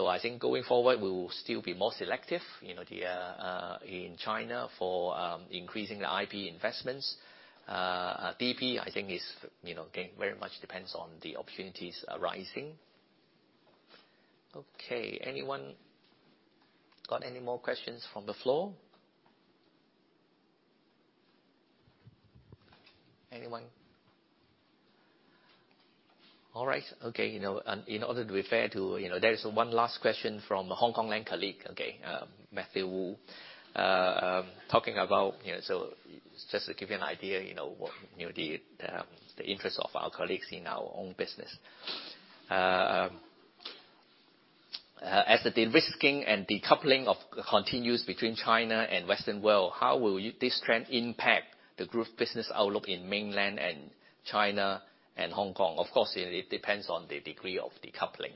I think going forward, we will still be more selective in China for increasing the IP investments. DP, I think very much depends on the opportunities arising. Okay. Anyone got any more questions from the floor? Anyone? All right. Okay. In order to be fair, there is one last question from a Hongkong Land colleague, Matthew Wu. Talking about, just to give you an idea, the interest of our colleagues in our own business. "As the de-risking and decoupling continues between China and Western world, how will this trend impact the group business outlook in mainland and China and Hong Kong?" Of course, it depends on the degree of decoupling.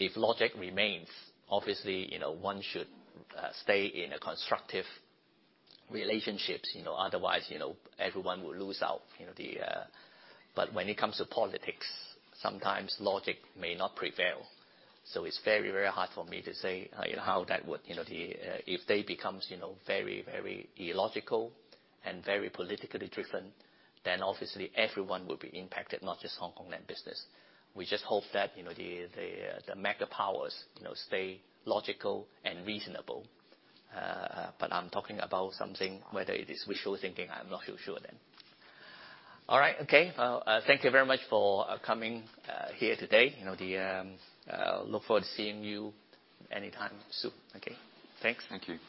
If logic remains, obviously, one should stay in a constructive relationships, otherwise everyone will lose out. When it comes to politics, sometimes logic may not prevail. It's very, very hard for me to say if they becomes very illogical and very politically driven, then obviously everyone will be impacted, not just Hongkong Land business. We just hope that the mega powers stay logical and reasonable. I'm talking about something, whether it is wishful thinking, I'm not too sure then. All right. Okay. Thank you very much for coming here today. Look forward to seeing you anytime soon. Okay, thanks. Thank you